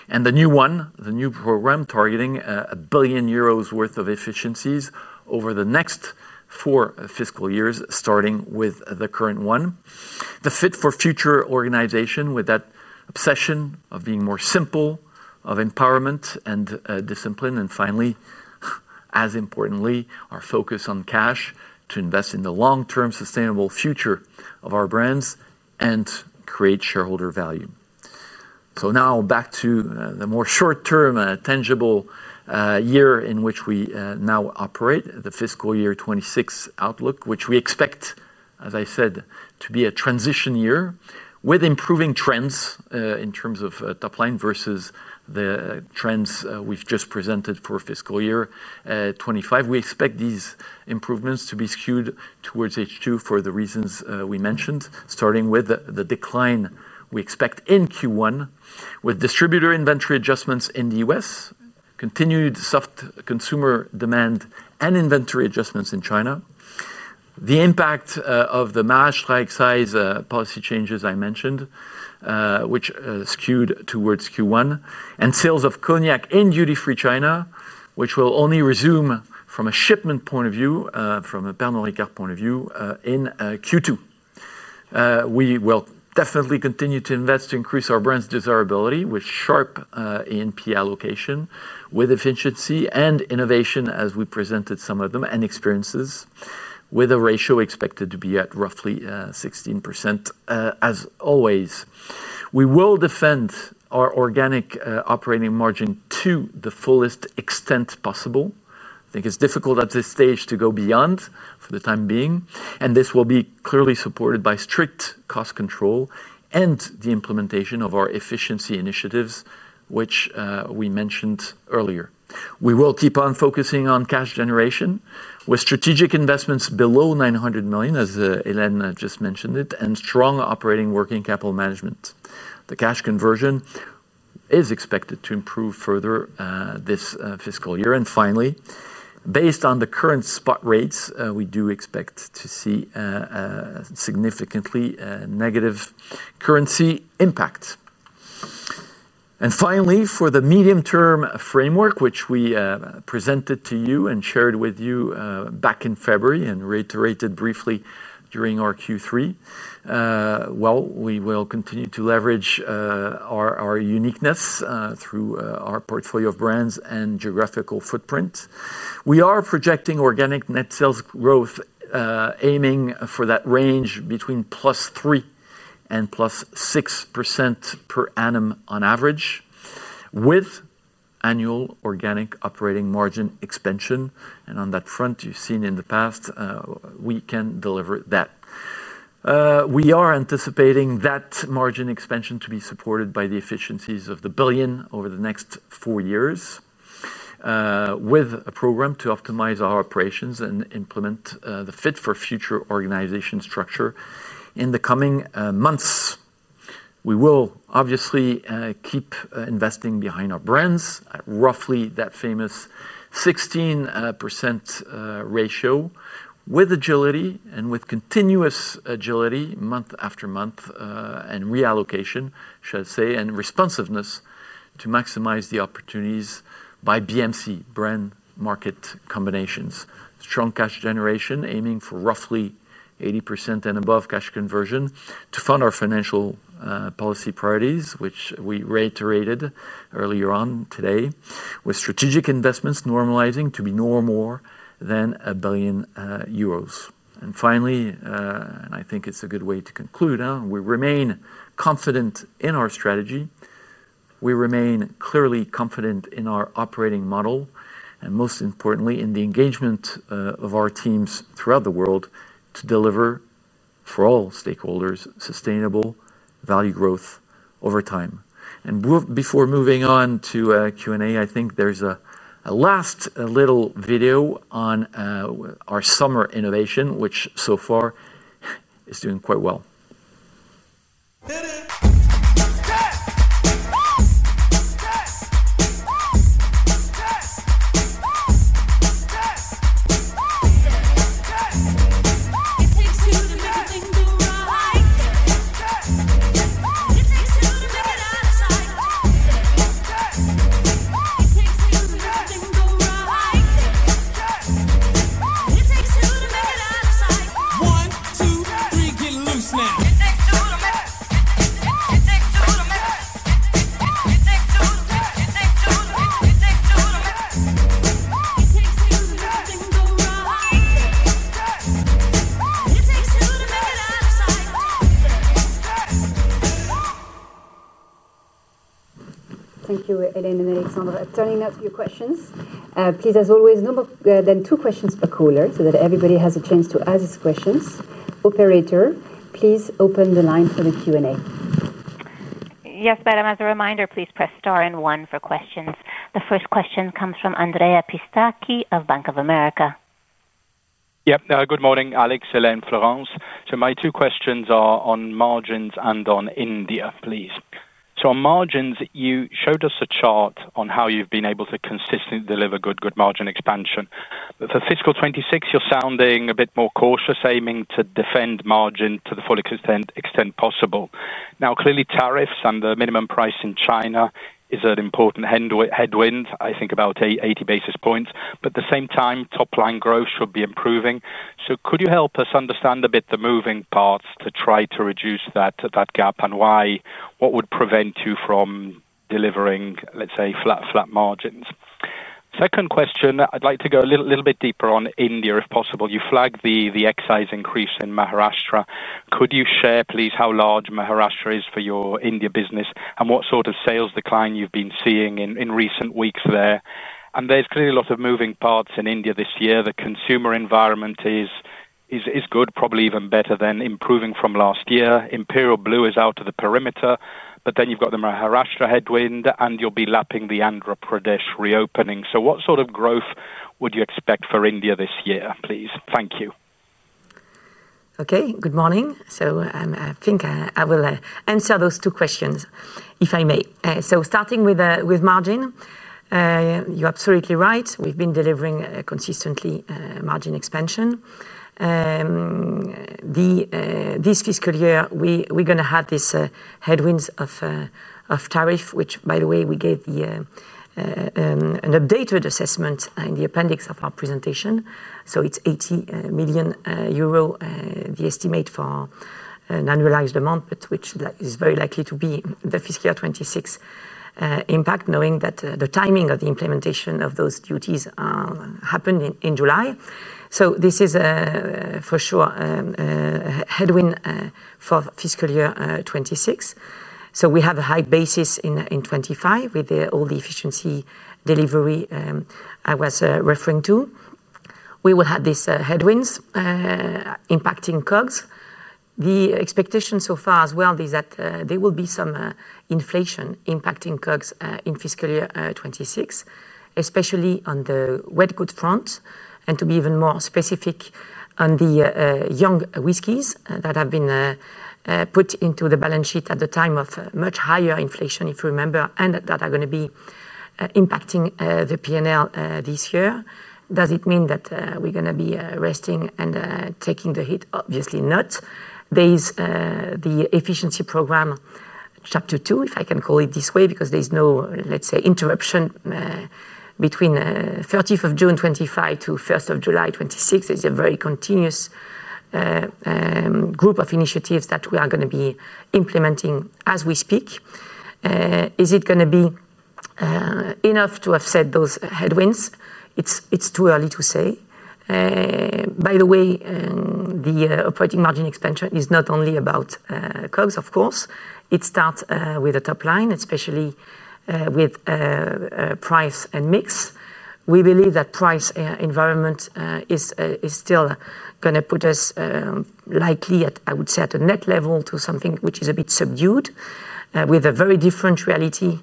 The new one, the new program targeting 1 billion euros worth of efficiencies over the next four fiscal years, starting with the current one. The fit for future organization with that obsession of being more simple, of empowerment and discipline. Finally, as importantly, our focus on cash to invest in the long-term sustainable future of our brands and create shareholder value. Now back to the more short-term tangible year in which we now operate, the fiscal year 2026 outlook, which we expect, as I said, to be a transition year with improving trends in terms of top line versus the trends we've just presented for fiscal year 2025. We expect these improvements to be skewed towards H2 for the reasons we mentioned, starting with the decline we expect in Q1 with distributor inventory adjustments in the U.S., continued soft consumer demand, and inventory adjustments in China. The impact of the Maharashtra excise tax policy changes I mentioned, which skewed towards Q1, and sales of cognac in duty-free China, which will only resume from a shipment point of view, from a Pernod Ricard point of view in Q2. We will definitely continue to invest to increase our brands' desirability with sharp A&P allocation, with efficiency and innovation, as we presented some of them, and experiences, with a ratio expected to be at roughly 16% as always. We will defend our organic operating margin to the fullest extent possible. I think it's difficult at this stage to go beyond for the time being. This will be clearly supported by strict cost control and the implementation of our efficiency initiatives, which we mentioned earlier. We will keep on focusing on cash generation with strategic investments below 900 million, as Hélène just mentioned it, and strong operating working capital management. The cash conversion is expected to improve further this fiscal year. Finally, based on the current spot rates, we do expect to see a significantly negative currency impact. For the medium-term framework, which we presented to you and shared with you back in February and reiterated briefly during our Q3, we will continue to leverage our uniqueness through our portfolio of brands and geographical footprint. We are projecting organic net sales growth, aiming for that range between +3% and +6% per annum on average, with annual organic operating margin expansion. On that front, you've seen in the past, we can deliver that. We are anticipating that margin expansion to be supported by the efficiencies of the billion over the next four years, with a program to optimize our operations and implement the fit for future organization structure in the coming months. We will obviously keep investing behind our brands, roughly that famous 16% ratio, with agility and with continuous agility month after month, and reallocation, shall I say, and responsiveness to maximize the opportunities by BMC, Brand Market Combinations. Strong cash generation, aiming for roughly 80% and above cash conversion to fund our financial policy priorities, which we reiterated earlier on today, with strategic investments normalizing to be no more than €1 billion. Finally, and I think it's a good way to conclude, we remain confident in our strategy. We remain clearly confident in our operating model, and most importantly, in the engagement of our teams throughout the world to deliver for all stakeholders sustainable value growth over time. Before moving on to Q&A, I think there's a last little video on our summer innovation, which so far is doing quite well. Thank you, Helene and Alexandre. Turning now to your questions. Please, as always, no more than two questions per caller, so that everybody has a chance to ask these questions. Operator, please open the line for the Q&A. Yes, madam. As a reminder, please press star and one for questions. The first question comes from Andrea Pistacchi of Bank of America. Yeah. Good morning, Alex, Helene, Florence. My two questions are on margins and on India, please. On margins, you showed us a chart on how you've been able to consistently deliver good margin expansion. For fiscal 2026, you're sounding a bit more cautious, aiming to defend margin to the full extent possible. Clearly, tariffs and the minimum price in China is an important headwind, I think about 80 basis points. At the same time, top line growth should be improving. Could you help us understand a bit the moving parts to try to reduce that gap and why? What would prevent you from delivering, let's say, flat margins? Second question, I'd like to go a little bit deeper on India, if possible. You flagged the excise increase in Maharashtra. Could you share, please, how large Maharashtra is for your India business and what sort of sales decline you've been seeing in recent weeks there? There's clearly a lot of moving parts in India this year. The consumer environment is good, probably even better than improving from last year. Imperial Blue is out of the perimeter, but then you've got the Maharashtra headwind, and you'll be lapping the Andhra Pradesh reopening. What sort of growth would you expect for India this year, please? Thank you. Okay, good morning. I think I will answer those two questions, if I may. Starting with margin, you're absolutely right. We've been delivering consistently margin expansion. This fiscal year, we're going to have these headwinds of tariff, which, by the way, we gave an updated assessment in the appendix of our presentation. It's 80 million euro, the estimate for an annualized amount, which is very likely to be the fiscal year 2026 impact, knowing that the timing of the implementation of those duties happened in July. This is for sure a headwind for fiscal year 2026. We have a high basis in 2025 with all the efficiency delivery I was referring to. We will have these headwinds impacting COGS. The expectation so far as well is that there will be some inflation impacting COGS in fiscal year 2026, especially on the wet goods front. To be even more specific, on the young whiskeys that have been put into the balance sheet at the time of much higher inflation, if you remember, and that are going to be impacting the P&L this year. Does it mean that we're going to be resting and taking the hit? Obviously not. There is the efficiency program, chapter two, if I can call it this way, because there's no, let's say, interruption between June 30, 2025 to July 1, 2026. There's a very continuous group of initiatives that we are going to be implementing as we speak. Is it going to be enough to offset those headwinds? It's too early to say. By the way, the operating margin expansion is not only about COGS, of course. It starts with the top line, especially with price and mix. We believe that price environment is still going to put us likely, I would say, at a net level to something which is a bit subdued, with a very different reality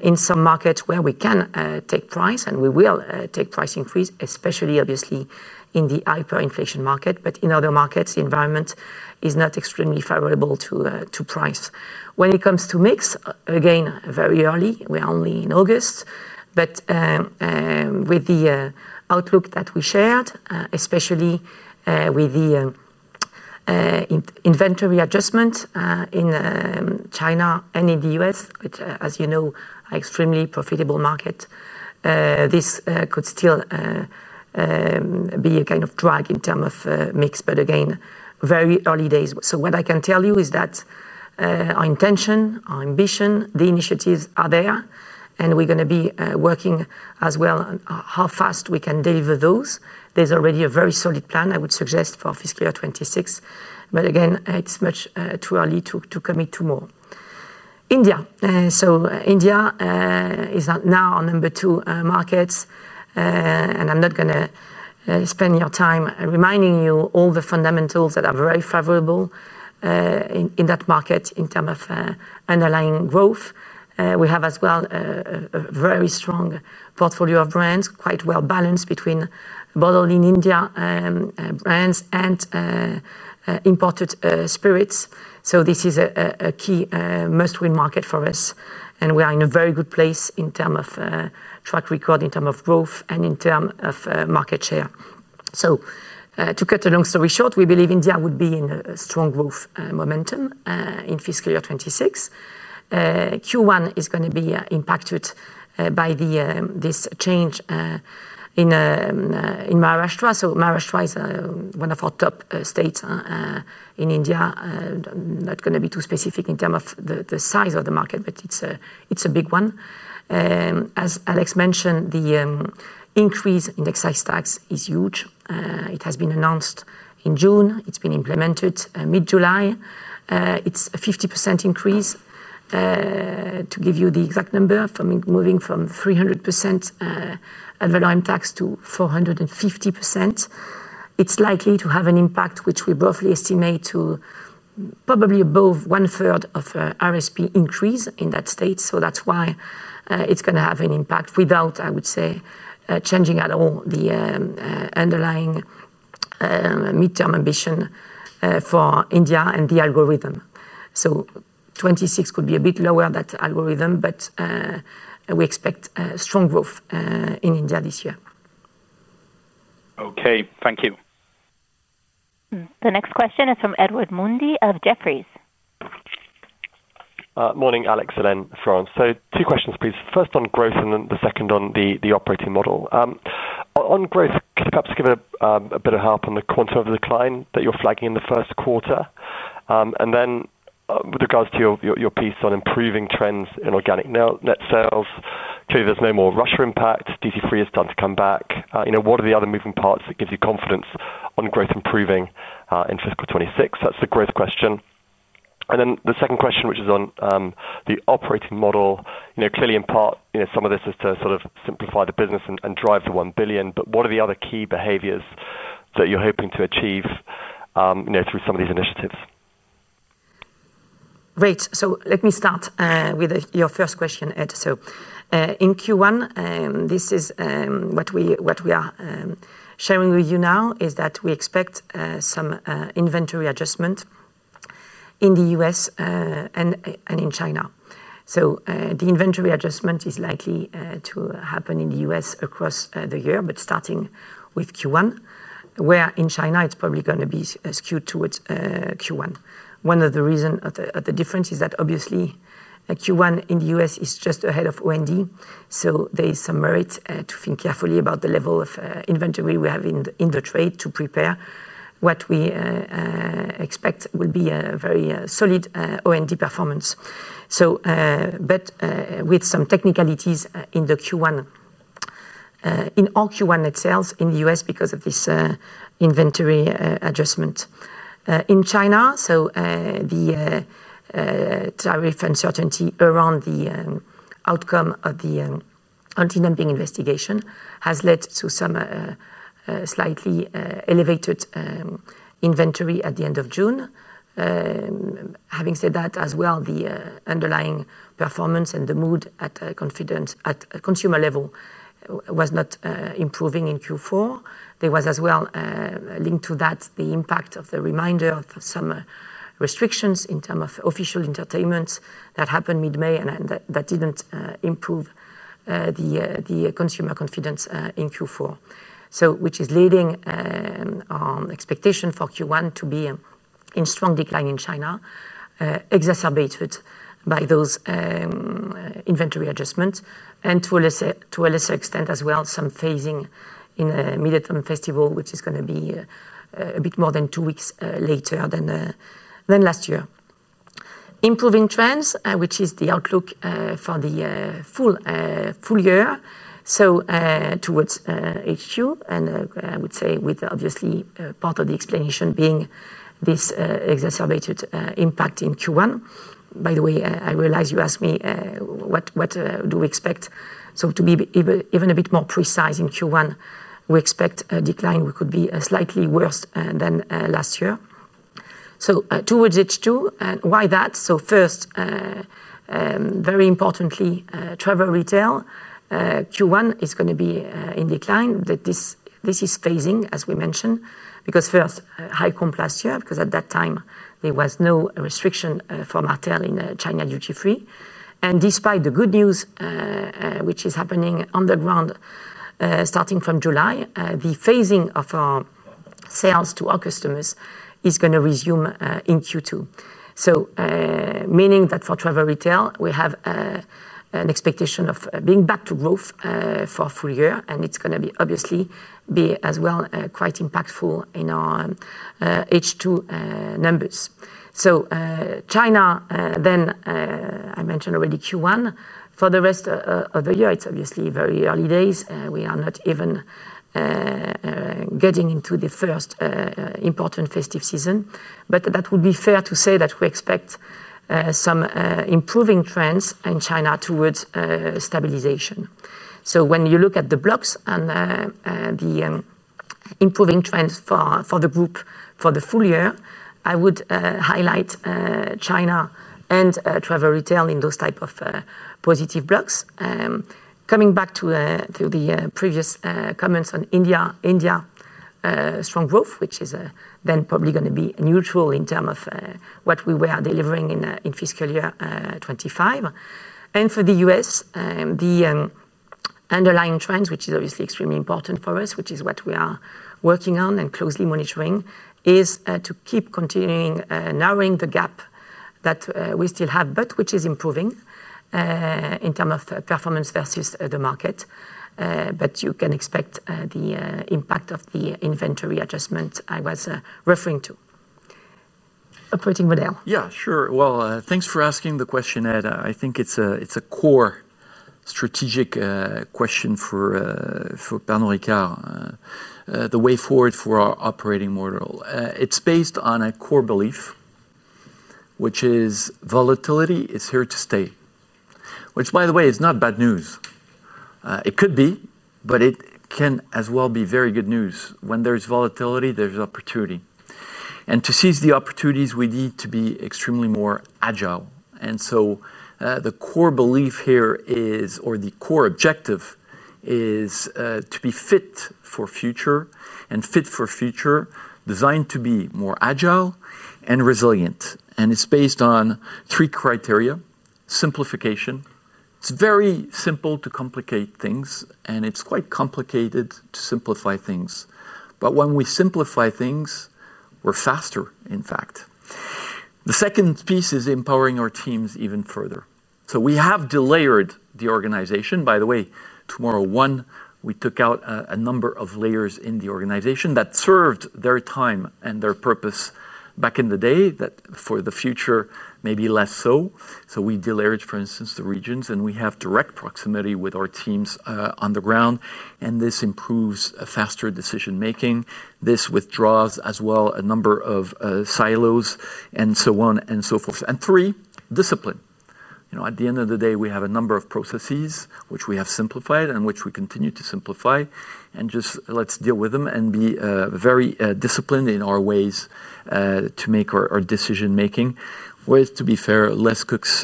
in some markets where we can take price and we will take price increase, especially, obviously, in the hyperinflation market. In other markets, the environment is not extremely favorable to price. When it comes to mix, again, very early. We're only in August. With the outlook that we shared, especially with the inventory adjustment in China and in the U.S., which, as you know, are extremely profitable markets, this could still be a kind of drag in terms of mix. Again, very early days. What I can tell you is that our intention, our ambition, the initiatives are there, and we're going to be working as well on how fast we can deliver those. There's already a very solid plan, I would suggest, for fiscal year 2026. Again, it's much too early to commit to more. India is now our number two market. I'm not going to spend your time reminding you all the fundamentals that are very favorable in that market in terms of underlying growth. We have as well a very strong portfolio of brands, quite well balanced between bottling India brands and imported spirits. This is a key must-win market for us, and we are in a very good place in terms of track record, in terms of growth, and in terms of market share. To cut a long story short, we believe India would be in a strong growth momentum in fiscal year 2026. Q1 is going to be impacted by this change in Maharashtra. Maharashtra is one of our top states in India. I'm not going to be too specific in terms of the size of the market, but it's a big one. As Alex mentioned, the increase in excise tax is huge. It has been announced in June. It's been implemented mid-July. It's a 50% increase. To give you the exact number, moving from 300% of the lime tax to 450%, it's likely to have an impact, which we roughly estimate to probably above one-third of RSP increase in that state. That's why it's going to have an impact without, I would say, changing at all the underlying midterm ambition for India and the algorithm. 2026 could be a bit lower, that algorithm, but we expect strong growth in India this year. OK, thank you. The next question is from Edward Mundy of Jefferies. Morning, Alex, Helene, Florence. Two questions, please. First on growth and then the second on the operating model. On growth, perhaps give a bit of color on the quantum of the decline that you're flagging in the first quarter. With regards to your piece on improving trends in organic net sales, clearly there's no more Russia impact DT3 is done to come back. What are the other moving parts that give you confidence on growth improving in fiscal 2026? That's the growth question. The second question, which is on the operating model, clearly in part, some of this is to sort of simplify the business and drive the $1 billion. What are the other key behaviors that you're hoping to achieve through some of these initiatives? Great. Let me start with your first question, Ed. In Q1, this is what we are sharing with you now, we expect some inventory adjustment in the U.S. and in China. The inventory adjustment is likely to happen in the U.S. across the year, but starting with Q1, whereas in China, it's probably going to be skewed towards Q1. One of the reasons for the difference is that obviously Q1 in the U.S. is just ahead of O&D. There is some merit to think carefully about the level of inventory we have in the trade to prepare for what we expect will be a very solid O&D performance. There are some technicalities in Q1, in all Q1 net sales in the U.S. because of this inventory adjustment. In China, the tariff uncertainty around the outcome of the anti-dumping investigation has led to some slightly elevated inventory at the end of June. Having said that, the underlying performance and the mood at consumer level was not improving in Q4. There was also, linked to that, the impact of the reminder of some restrictions in terms of official entertainment that happened mid-May and that did not improve consumer confidence in Q4. This is leading our expectation for Q1 to be in strong decline in China, exacerbated by those inventory adjustments, and to a lesser extent, some phasing in the Mid-Autumn Festival, which is going to be a bit more than two weeks later than last year. Improving trends, which is the outlook for the full year, so towards H2. I would say with part of the explanation being this exacerbated impact in Q1. By the way, I realize you asked me what do we expect. To be even a bit more precise, in Q1, we expect a decline that could be slightly worse than last year. Towards H2, why that? First, very importantly, travel retail, Q1 is going to be in decline. This is phasing, as we mentioned, because first, high comp last year, because at that time there was no restriction for Martell in China duty-free. Despite the good news, which is happening on the ground starting from July, the phasing of our sales to our customers is going to resume in Q2. This means that for travel retail, we have an expectation of being back to growth for the full year. It is going to be quite impactful in our H2 numbers. China, then I mentioned already Q1. For the rest of the year, it's very early days. We are not even getting into the first important festive season. That would be fair to say that we expect some improving trends in China towards stabilization. When you look at the blocks and the improving trends for the group for the full year, I would highlight China and Travel Retail in those types of positive blocks. Coming back to the previous comments on India, India strong growth, which is then probably going to be neutral in terms of what we were delivering in fiscal year 2025. For the U.S. the underlying trends, which is obviously extremely important for us, which is what we are working on and closely monitoring, is to keep continuing narrowing the gap that we still have, but which is improving in terms of performance versus the market. You can expect the impact of the inventory adjustment I was referring to. Operating model. Yeah, sure. Thanks for asking the question, Ed. I think it's a core strategic question for Pernod Ricard, the way forward for our operating model. It's based on a core belief, which is volatility is here to stay, which, by the way, is not bad news. It could be, but it can as well be very good news. When there's volatility, there's opportunity. To seize the opportunities, we need to be extremely more agile. The core belief here is, or the core objective is to be fit for future and fit for future, designed to be more agile and resilient. It's based on three criteria: simplification. It's very simple to complicate things, and it's quite complicated to simplify things. When we simplify things, we're faster, in fact. The second piece is empowering our teams even further. We have delayered the organization. By the way, tomorrow, one, we took out a number of layers in the organization that served their time and their purpose back in the day that for the future may be less so. We delayered, for instance, the regions, and we have direct proximity with our teams on the ground. This improves faster decision making. This withdraws as well a number of silos and so on and so forth. Three, discipline. At the end of the day, we have a number of processes which we have simplified and which we continue to simplify. Let's deal with them and be very disciplined in our ways to make our decision making. Whereas, to be fair, less cooks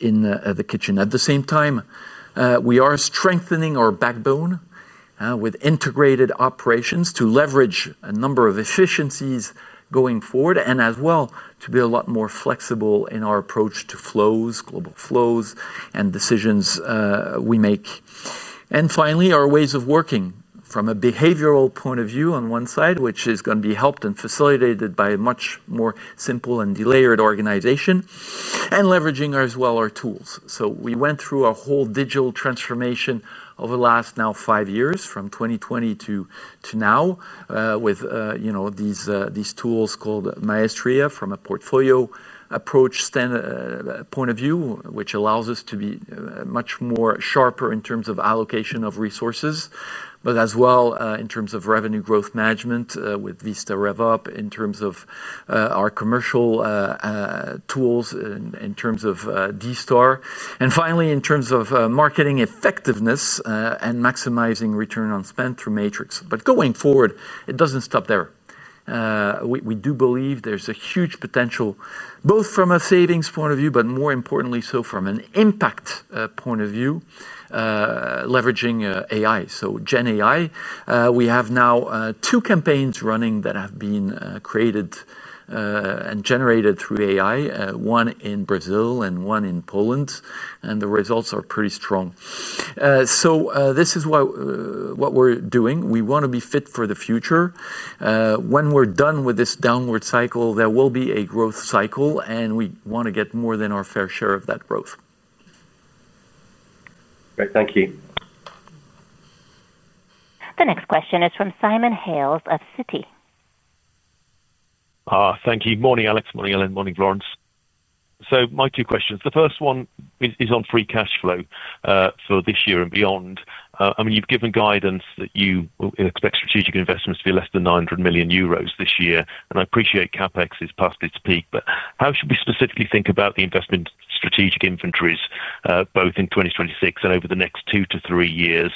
in the kitchen. At the same time, we are strengthening our backbone with integrated operations to leverage a number of efficiencies going forward and as well to be a lot more flexible in our approach to flows, global flows, and decisions we make. Finally, our ways of working from a behavioral point of view on one side, which is going to be helped and facilitated by a much more simple and delayered organization, and leveraging as well our tools. We went through a whole digital transformation over the last now five years, from 2020 to now, with these tools called Maestria from a portfolio approach standpoint of view, which allows us to be much more sharper in terms of allocation of resources, but as well in terms of revenue growth management with Vista Rev Up, in terms of our commercial tools, in terms of D-Star, and finally in terms of marketing effectiveness and maximizing return on spend through matrix. Going forward, it doesn't stop there. We do believe there's a huge potential, both from a savings point of view, but more importantly from an impact point of view, leveraging AI, so GenAI. We have now two campaigns running that have been created and generated through AI, one in Brazil and one in Poland. The results are pretty strong. This is what we're doing. We want to be fit for the future. When we're done with this downward cycle, there will be a growth cycle, and we want to get more than our fair share of that growth. Great, thank you. The next question is from Simon Hales of Citi. Thank you. Morning, Alex. Morning, Helene. Morning, Florence. My two questions. The first one is on free cash flow for this year and beyond. You've given guidance that you expect strategic investments to be less than 900 million euros this year. I appreciate CapEx is past its peak, but how should we specifically think about the investment strategic inventories, both in 2026 and over the next two to three years?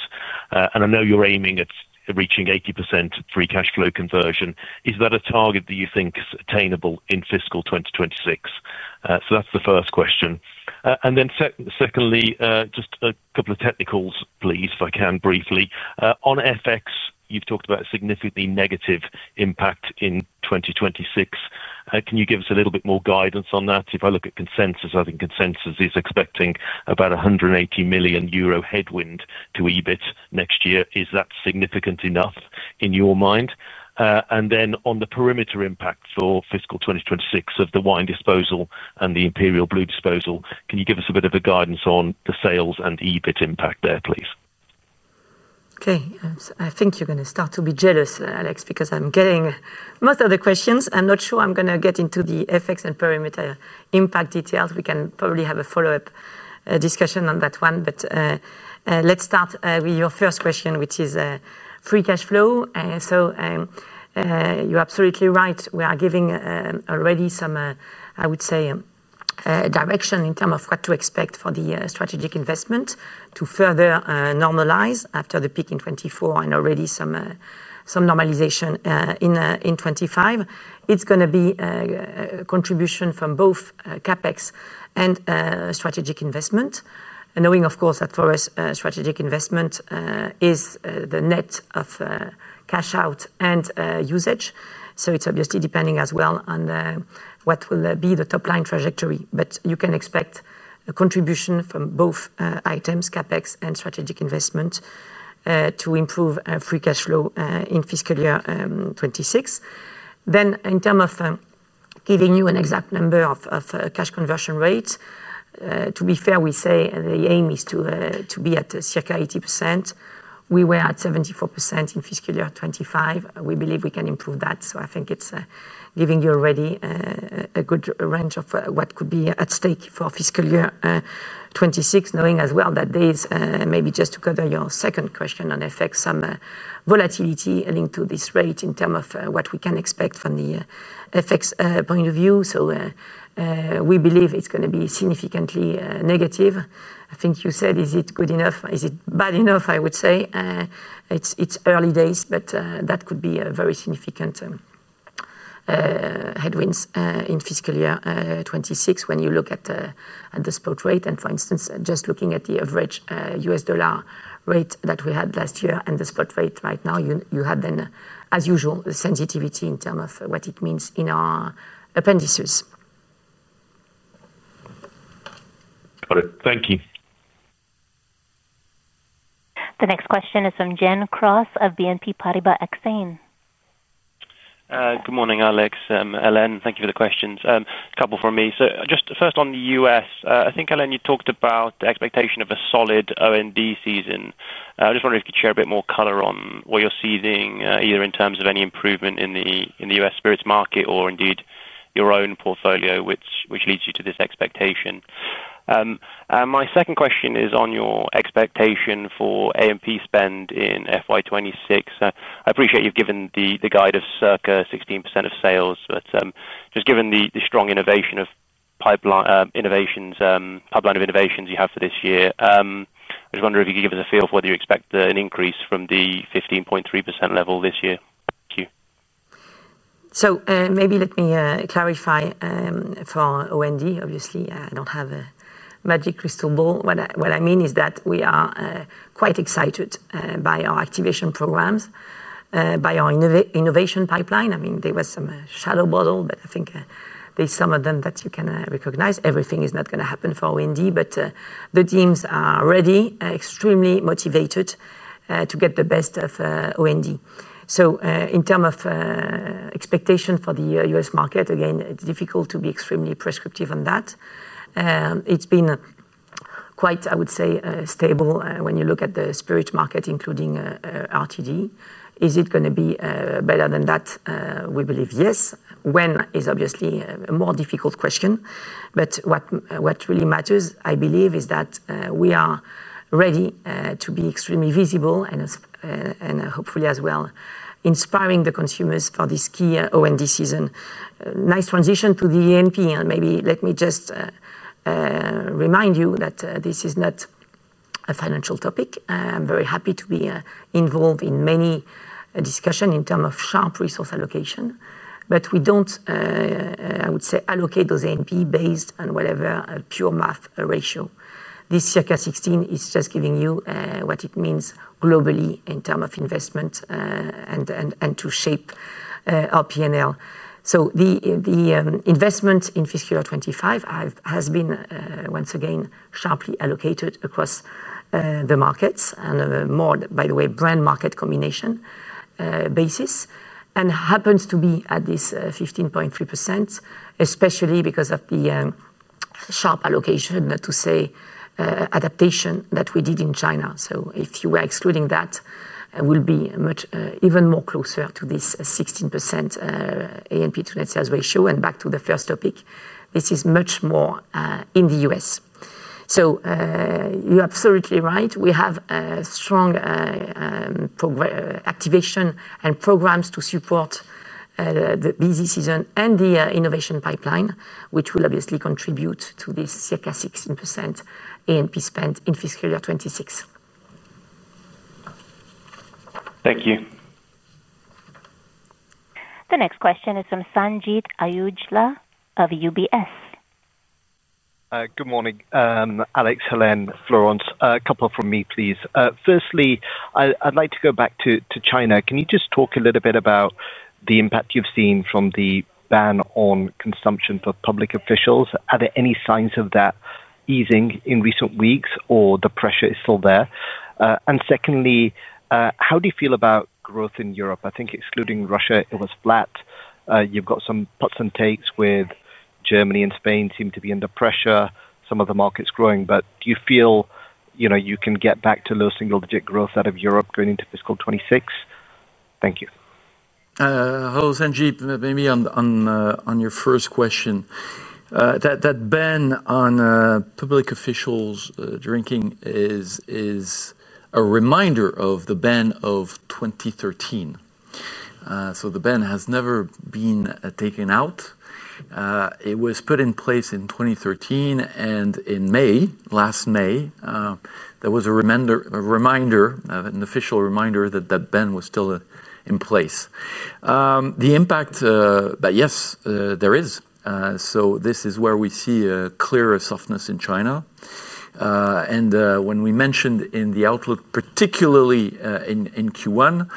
I know you're aiming at reaching 80% free cash flow conversion. Is that a target that you think is attainable in fiscal 2026? That's the first question. Secondly, just a couple of technicals, please, if I can briefly. On FX, you've talked about a significantly negative impact in 2026. Can you give us a little bit more guidance on that? If I look at consensus, I think consensus is. Affecting about a 180 million euro headwind to EBIT next year. Is that significant enough in your mind? On the perimeter impact for fiscal 2026 of the wine disposal and the Imperial Blue disposal, can you give us a bit of a guidance on the sales and EBIT impact there, please? Okay. I think you're going to start to be jealous, Alex, because I'm getting most of the questions. I'm not sure I'm going to get into the effects and perimeter impact details. We can probably have a follow-up discussion on that one. Let's start with your first question, which is free cash flow. You're absolutely right. We are giving already some, I would say, direction in terms of what to expect for the strategic investment to further normalize after the peak in 2024 and already some normalization in 2025. It's going to be a contribution from both CapEx and strategic investment, knowing, of course, that for us, strategic investment is the net of cash out and usage. It's obviously depending as well on what will be the top-line trajectory. You can expect a contribution from both items, CapEx and strategic investment, to improve free cash flow in fiscal year 2026. In terms of giving you an exact number of cash conversion rate, to be fair, we say the aim is to be at circa 80%. We were at 74% in fiscal year 2025. We believe we can improve that. I think it's giving you already a good range of what could be at stake for fiscal year 2026, knowing as well that there is maybe just to cover your second question on effects, some volatility linked to this rate in terms of what we can expect from the effects point of view. We believe it's going to be significantly negative. I think you said, is it good enough? Is it bad enough? I would say it's early days, but that could be a very significant headwind in fiscal year 2026 when you look at the spot rate. For instance, just looking at the average U.S. dollar rate that we had last year and the spot rate right now, you have then, as usual, the sensitivity in terms of what it means in our appendices. Got it. Thank you. The next question is from Gen Cross of BNP Paribas Exane. Good morning, Alex. Helene, thank you for the questions. A couple from me. First, on the U.S., I think, Helene, you talked about the expectation of a solid O&D season. I was just wondering if you could share a bit more color on what you're seeing, either in terms of any improvement in the U.S. spirits market or indeed your own portfolio, which leads you to this expectation. My second question is on your expectation for AMP spend in FY 2026. I appreciate you've given the guide of circa 16% of sales, but just given the strong pipeline of innovations you have for this year, I was wondering if you could give us a feel for whether you expect an increase from the 15.3% level this year. Thank you. Maybe let me clarify for O&D. Obviously, I don't have a magic crystal ball. What I mean is that we are quite excited by our activation programs, by our innovation pipeline. There was some shadow model, but I think there's some of them that you can recognize. Everything is not going to happen for O&D, but the teams are ready, extremely motivated to get the best of O&D. In terms of expectation for the U.S. market, again, it's difficult to be extremely prescriptive on that. It's been quite, I would say, stable when you look at the spirit market, including RTD. Is it going to be better than that? We believe yes. When is obviously a more difficult question. What really matters, I believe, is that we are ready to be extremely visible and hopefully as well inspiring the consumers for this key O&D season. Nice transition to the AMP. Maybe let me just remind you that this is not a financial topic. I'm very happy to be involved in many discussions in terms of sharp resource allocation. We don't, I would say, allocate those AMP based on whatever pure math ratio. This circa 16% is just giving you what it means globally in terms of investment and to shape our P&L. The investment in fiscal year 2025 has been once again sharply allocated across the markets on a more, by the way, brand market combination basis and happens to be at this 15.3%, especially because of the sharp allocation, not to say adaptation that we did in China. If you were excluding that, we'd be even more closer to this 16% AMP to net sales ratio. Back to the first topic, this is much more in the U.S. You're absolutely right. We have a strong activation and programs to support the busy season and the innovation pipeline, which will obviously contribute to this circa 16% AMP spend in fiscal year 2026. Thank you. The next question is from Sanjeet Aujla of UBS Investment Bank. Good morning, Alex, Helene, Florence. A couple from me, please. Firstly, I'd like to go back to China. Can you just talk a little bit about the impact you've seen from the ban on consumption for public officials? Are there any signs of that easing in recent weeks or the pressure is still there? Secondly, how do you feel about growth in Europe? I think excluding Russia, it was flat. You've got some puts and takes with Germany and Spain seem to be under pressure, some of the markets growing. Do you feel you can get back to low single-digit growth out of Europe going into fiscal 2026? Thank you. Hello, Sanjeet. Maybe on your first question, that ban on public officials drinking is a reminder of the ban of 2013. The ban has never been taken out. It was put in place in 2013. In May, last May, there was a reminder, an official reminder that that ban was still in place. The impact, yes, there is. This is where we see a clearer softness in China. When we mentioned in the outlook, particularly in Q1,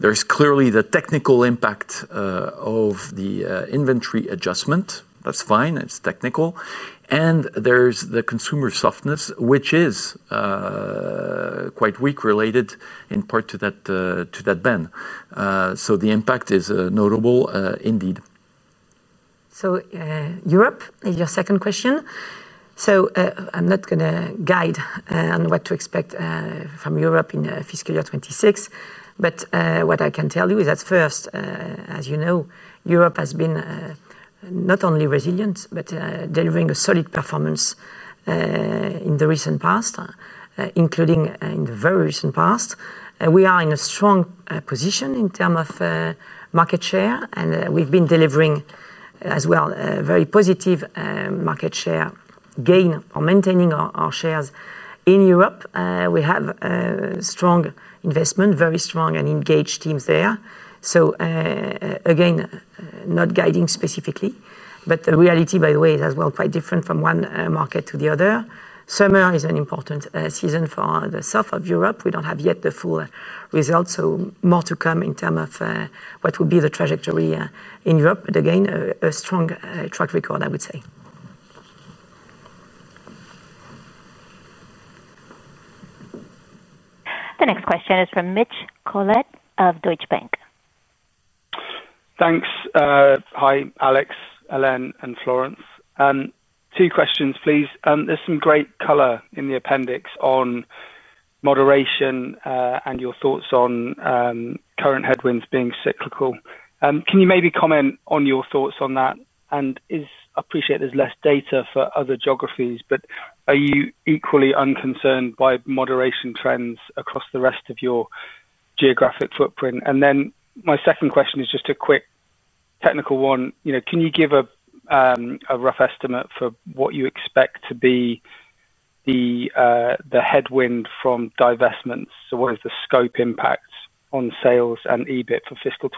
there's clearly the technical impact of the inventory adjustment. That's fine. It's technical. There's the consumer softness, which is quite weak, related in part to that ban. The impact is notable indeed. Europe is your second question. I'm not going to guide on what to expect from Europe in fiscal year 2026. What I can tell you is that, first, as you know, Europe has been not only resilient, but delivering a solid performance in the recent past, including in the very recent past. We are in a strong position in terms of market share, and we've been delivering as well a very positive market share gain or maintaining our shares in Europe. We have a strong investment, very strong and engaged teams there. Again, not guiding specifically, the reality, by the way, is as well quite different from one market to the other. Summer is an important season for the South of Europe. We don't have yet the full results. More to come in terms of what will be the trajectory in Europe. Again, a strong track record, I would say. The next question is from Mitch Collett of Deutsche Bank. Thanks. Hi, Alex, Helene, and Florence. Two questions, please. There's some great color in the appendix on moderation and your thoughts on current headwinds being cyclical. Can you maybe comment on your thoughts on that? I appreciate there's less data for other geographies, but are you equally unconcerned by moderation trends across the rest of your geographic footprint? My second question is just a quick technical one. Can you give a rough estimate for what you expect to be the headwind from divestments? What is the scope impact on sales and EBIT for fiscal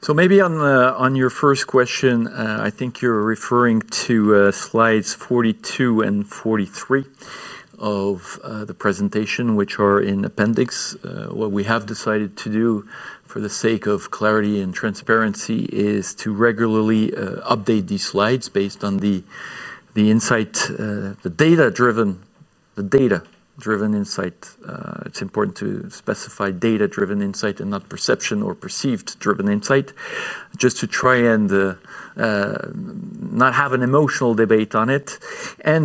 2026? Thank you. Maybe on your first question, I think you're referring to slides 42 and 43 of the presentation, which are in appendix. What we have decided to do for the sake of clarity and transparency is to regularly update these slides based on the data-driven insight. It's important to specify data-driven insight and not perception or perceived-driven insight, just to try and not have an emotional debate on it. By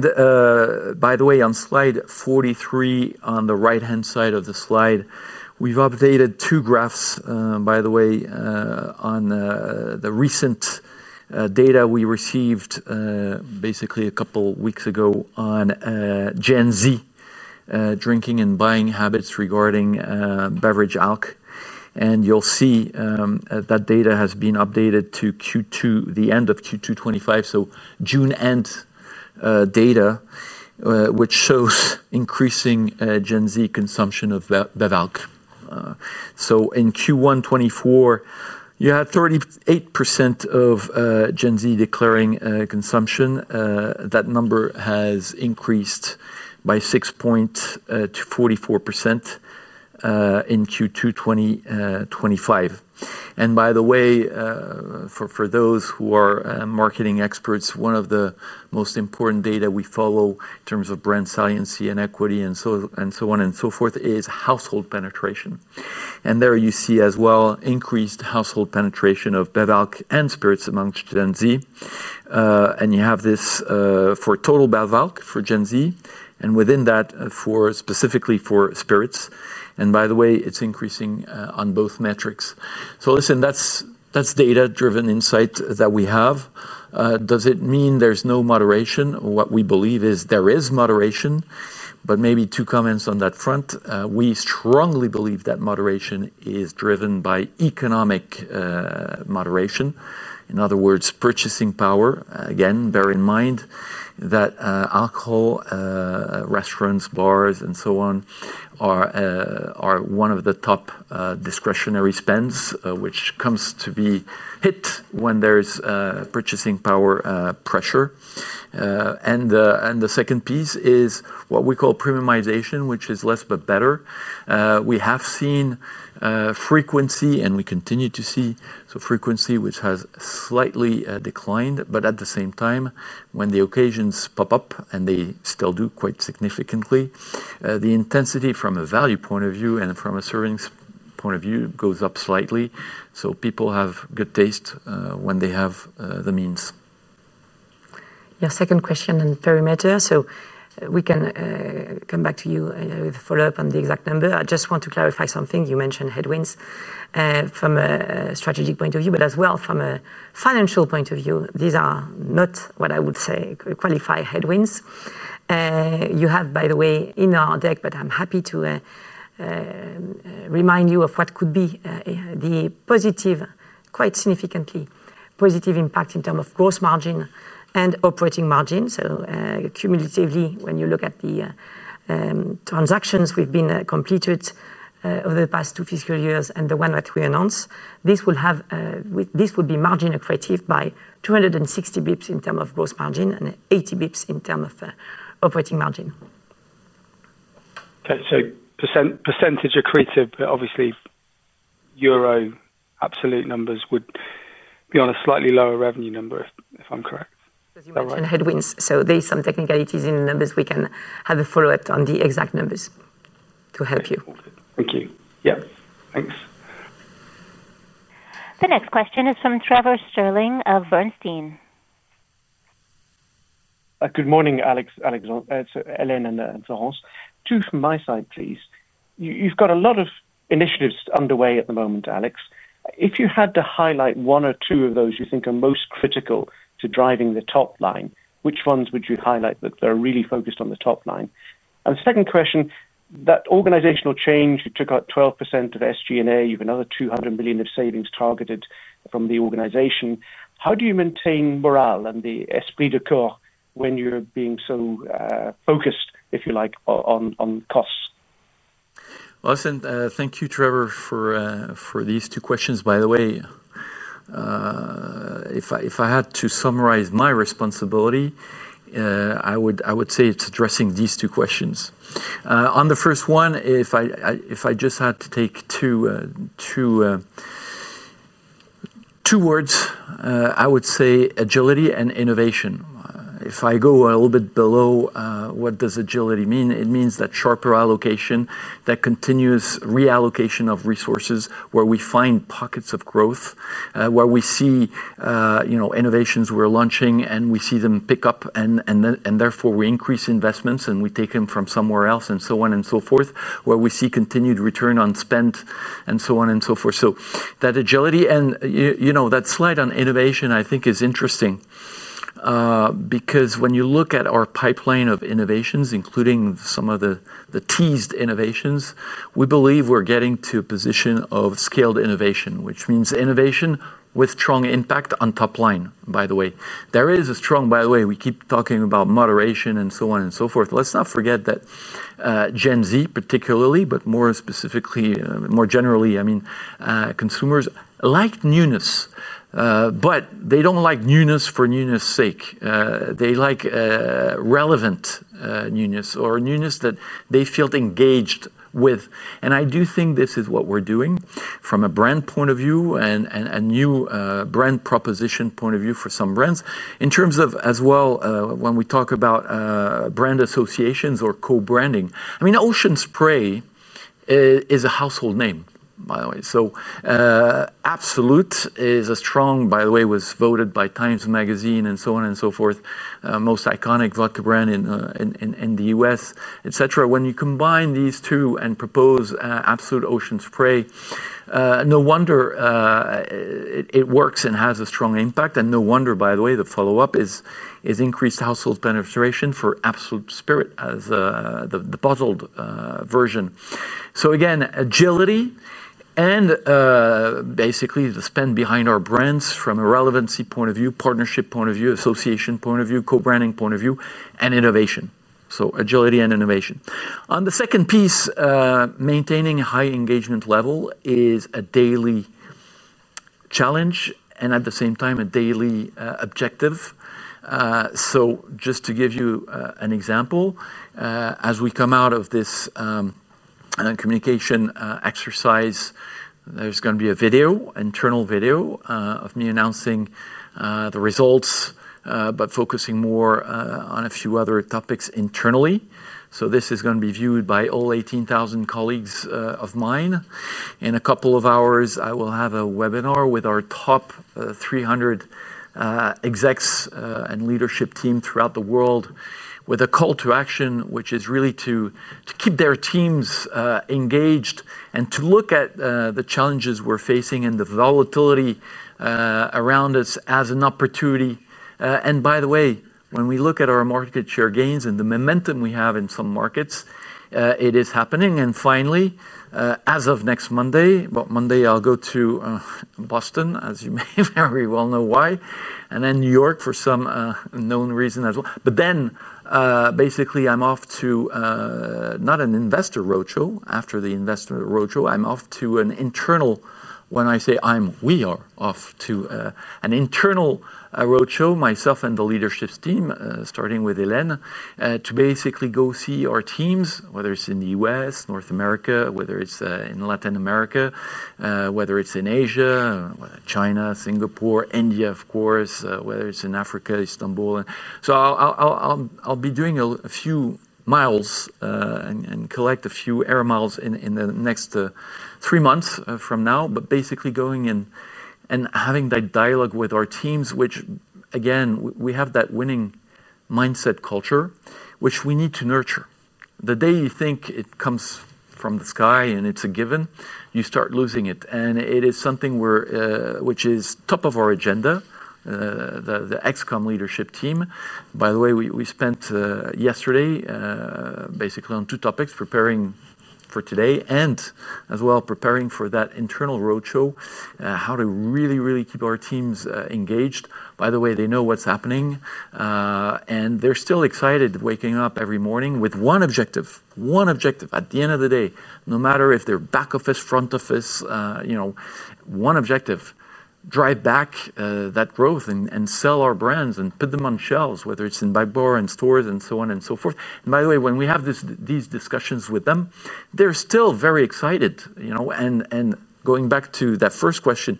the way, on slide 43, on the right-hand side of the slide, we've updated two graphs on the recent data we received basically a couple of weeks ago on Gen Z drinking and buying habits regarding beverage alcohol. You'll see that data has been updated to Q2, the end of Q2 2025, so June end data, which shows increasing Gen Z consumption of beverage alcohol. In Q1 2024, you had 38% of Gen Z declaring consumption. That number has increased by 6.44% in Q2 2025. By the way, for those who are marketing experts, one of the most important data we follow in terms of brand saliency and equity and so on and so forth is household penetration. There you see as well increased household penetration of beverage alcohol and spirits amongst Gen Z. You have this for total beverage alcohol for Gen Z and within that specifically for spirits. It is increasing on both metrics. That's data-driven insight that we have. Does it mean there's no moderation? What we believe is there is moderation. Maybe two comments on that front. We strongly believe that moderation is driven by economic moderation. In other words, purchasing power. Bear in mind that alcohol, restaurants, bars, and so on are one of the top discretionary spends, which comes to be hit when there's purchasing power pressure. The second piece is what we call premiumization, which is less but better. We have seen frequency, and we continue to see frequency, which has slightly declined. At the same time, when the occasions pop up, and they still do quite significantly, the intensity from a value point of view and from a servings point of view goes up slightly. People have good taste when they have the means. Your second question on perimeter. We can come back to you with a follow-up on the exact number. I just want to clarify something. You mentioned headwinds from a strategic point of view, but as well from a financial point of view. These are not what I would say qualify as headwinds. You have, by the way, in our deck, but I'm happy to remind you of what could be the positive, quite significantly positive impact in terms of gross margin and operating margin. Cumulatively, when you look at the transactions we've completed over the past two fiscal years and the one that we announced, this will be margin accretive by 260 basis points in terms of gross margin and 80 basis points in terms of operating margin. Okay. Percentage accretive, but obviously euro absolute numbers would be on a slightly lower revenue number, if I'm correct. There are some technicalities in the numbers. We can have a follow-up on the exact numbers to help you. Thank you. Yeah, thanks. The next question is from Trevor Stirling of Bernstein. Good morning, Alex, Helene, and Florence. Two from my side, please. You've got a lot of initiatives underway at the moment, Alex. If you had to highlight one or two of those you think are most critical to driving the top line, which ones would you highlight that are really focused on the top line? The second question, that organizational change that took out 12% of SG&A, you have another $200 million of savings targeted from the organization. How do you maintain morale and the esprit de corps when you're being so focused, if you like, on costs? Thank you, Trevor, for these two questions. By the way, if I had to summarize my responsibility, I would say it's addressing these two questions. On the first one, if I just had to take two words, I would say agility and innovation. If I go a little bit below, what does agility mean? It means that sharper allocation, that continuous reallocation of resources where we find pockets of growth, where we see innovations we're launching and we see them pick up, and therefore we increase investments and we take them from somewhere else and so on and so forth, where we see continued return on spend and so on and so forth. That agility and that slide on innovation, I think, is interesting because when you look at our pipeline of innovations, including some of the teased innovations, we believe we're getting to a position of scaled innovation, which means innovation with strong impact on top line, by the way. There is a strong, by the way, we keep talking about moderation and so on and so forth. Let's not forget that Gen Z particularly, but more specifically, more generally, I mean, consumers like newness, but they don't like newness for newness' sake. They like relevant newness or newness that they felt engaged with. I do think this is what we're doing from a brand point of view and a new brand proposition point of view for some brands. In terms of as well, when we talk about brand associations or co-branding, I mean, Ocean Spray is a household name, by the way. Absolut is a strong, by the way, was voted by Times Magazine and so on and so forth, most iconic vodka brand in the U.S., etc. When you combine these two and propose Absolut Ocean Spray, no wonder it works and has a strong impact. No wonder, by the way, the follow-up is increased household penetration for Absolut Spirit as the bottled version. Again, agility and basically the spend behind our brands from a relevancy point of view, partnership point of view, association point of view, co-branding point of view, and innovation. Agility and innovation. On the second piece, maintaining a high engagement level is a daily challenge and at the same time, a daily objective. Just to give you an example, as we come out of this communication exercise, there's going to be a video, internal video of me announcing the results, but focusing more on a few other topics internally. This is going to be viewed by all 18,000 colleagues of mine. In a couple of hours, I will have a webinar with our top 300 execs and leadership team throughout the world with a call to action, which is really to keep their teams engaged and to look at the challenges we're facing and the volatility around us as an opportunity. By the way, when we look at our market share gains and the momentum we have in some markets, it is happening. Finally, as of next Monday, but Monday I'll go to Boston, as you may very well know why, and then New York for some known reason as well. Basically, I'm off to not an investor roadshow after the investor roadshow. I'm off to an internal, when I say I'm, we are off to an internal roadshow, myself and the leadership team, starting with Helene, to basically go see our teams, whether it's in the U.S., North America, whether it's in Latin America, whether it's in Asia, China, Singapore, India, of course, whether it's in Africa, Istanbul. I'll be doing a few miles and collect a few air miles in the next three months from now, basically going in and having that dialogue with our teams, which again, we have that winning mindset culture, which we need to nurture. The day you think it comes from the sky and it's a given, you start losing it. It is something which is top of our agenda, the ExCOM leadership team. By the way, we spent yesterday basically on two topics, preparing for today and as well preparing for that internal roadshow, how to really, really keep our teams engaged. By the way, they know what's happening. They're still excited, waking up every morning with one objective, one objective at the end of the day, no matter if they're back office, front office, you know, one objective, drive back that growth and sell our brands and put them on shelves, whether it's in buy bar and stores and so on and so forth. By the way, when we have these discussions with them, they're still very excited. You know, and going back to that first question,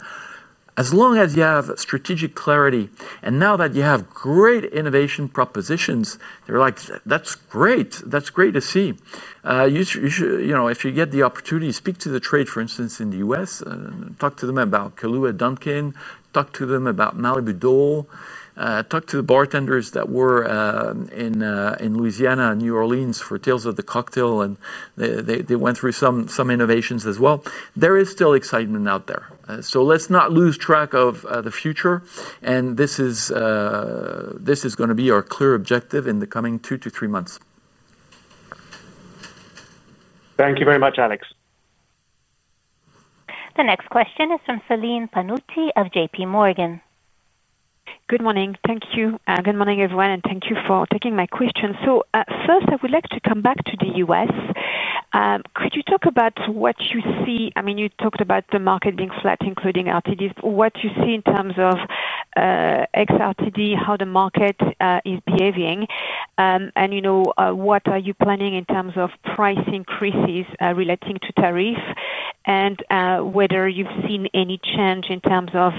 as long as you have strategic clarity and now that you have great innovation propositions, they're like, that's great. That's great to see. You should, you know, if you get the opportunity, speak to the trade, for instance, in the U.S., talk to them about Kahlúa Dunkin, talk to them about Malibu Dole, talk to the bartenders that were in Louisiana and New Orleans for Tales of the Cocktail. They went through some innovations as well. There is still excitement out there. Let's not lose track of the future. This is going to be our clear objective in the coming two to three months. Thank you very much, Alexandre. The next question is from Celine Pannuti of JPMorgan. Good morning. Thank you. Good morning, everyone. Thank you for taking my question. First, I would like to come back to the U.S. Could you talk about what you see? I mean, you talked about the market being flat, including RTDs, but what you see in terms of ex-RTD, how the market is behaving? What are you planning in terms of price increases relating to tariffs? Whether you've seen any change in terms of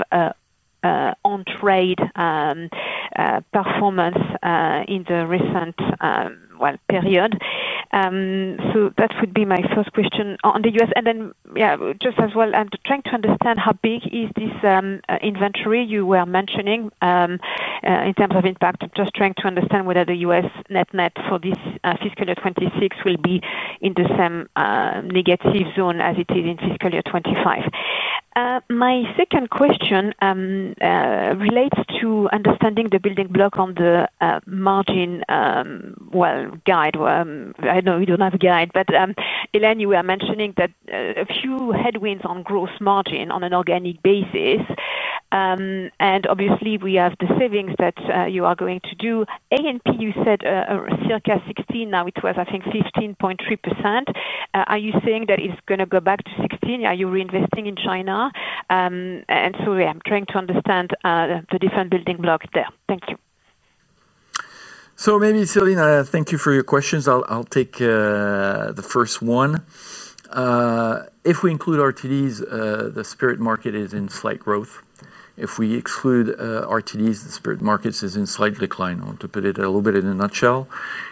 on-trade performance in the recent period? That would be my first question on the U.S. I'm trying to understand how big is this inventory you were mentioning in terms of impact. Just trying to understand whether the U.S. net net for this fiscal year 2026 will be in the same negative zone as it is in fiscal year 2025. My second question relates to understanding the building block on the margin. I know we don't have a guide, but Helene, you were mentioning that a few headwinds on gross margin on an organic basis. Obviously, we have the savings that you are going to do. AMP, you said a circa 16%, now it was, I think, 15.3%. Are you saying that it's going to go back to 16%? Are you reinvesting in China? I'm trying to understand the different building blocks there. Thank you. Maybe Celine, thank you for your questions. I'll take the first one. If we include RTDs, the spirit market is in slight growth. If we exclude RTDs, the spirit market is in slight decline. I want to put it a little bit in a nutshell.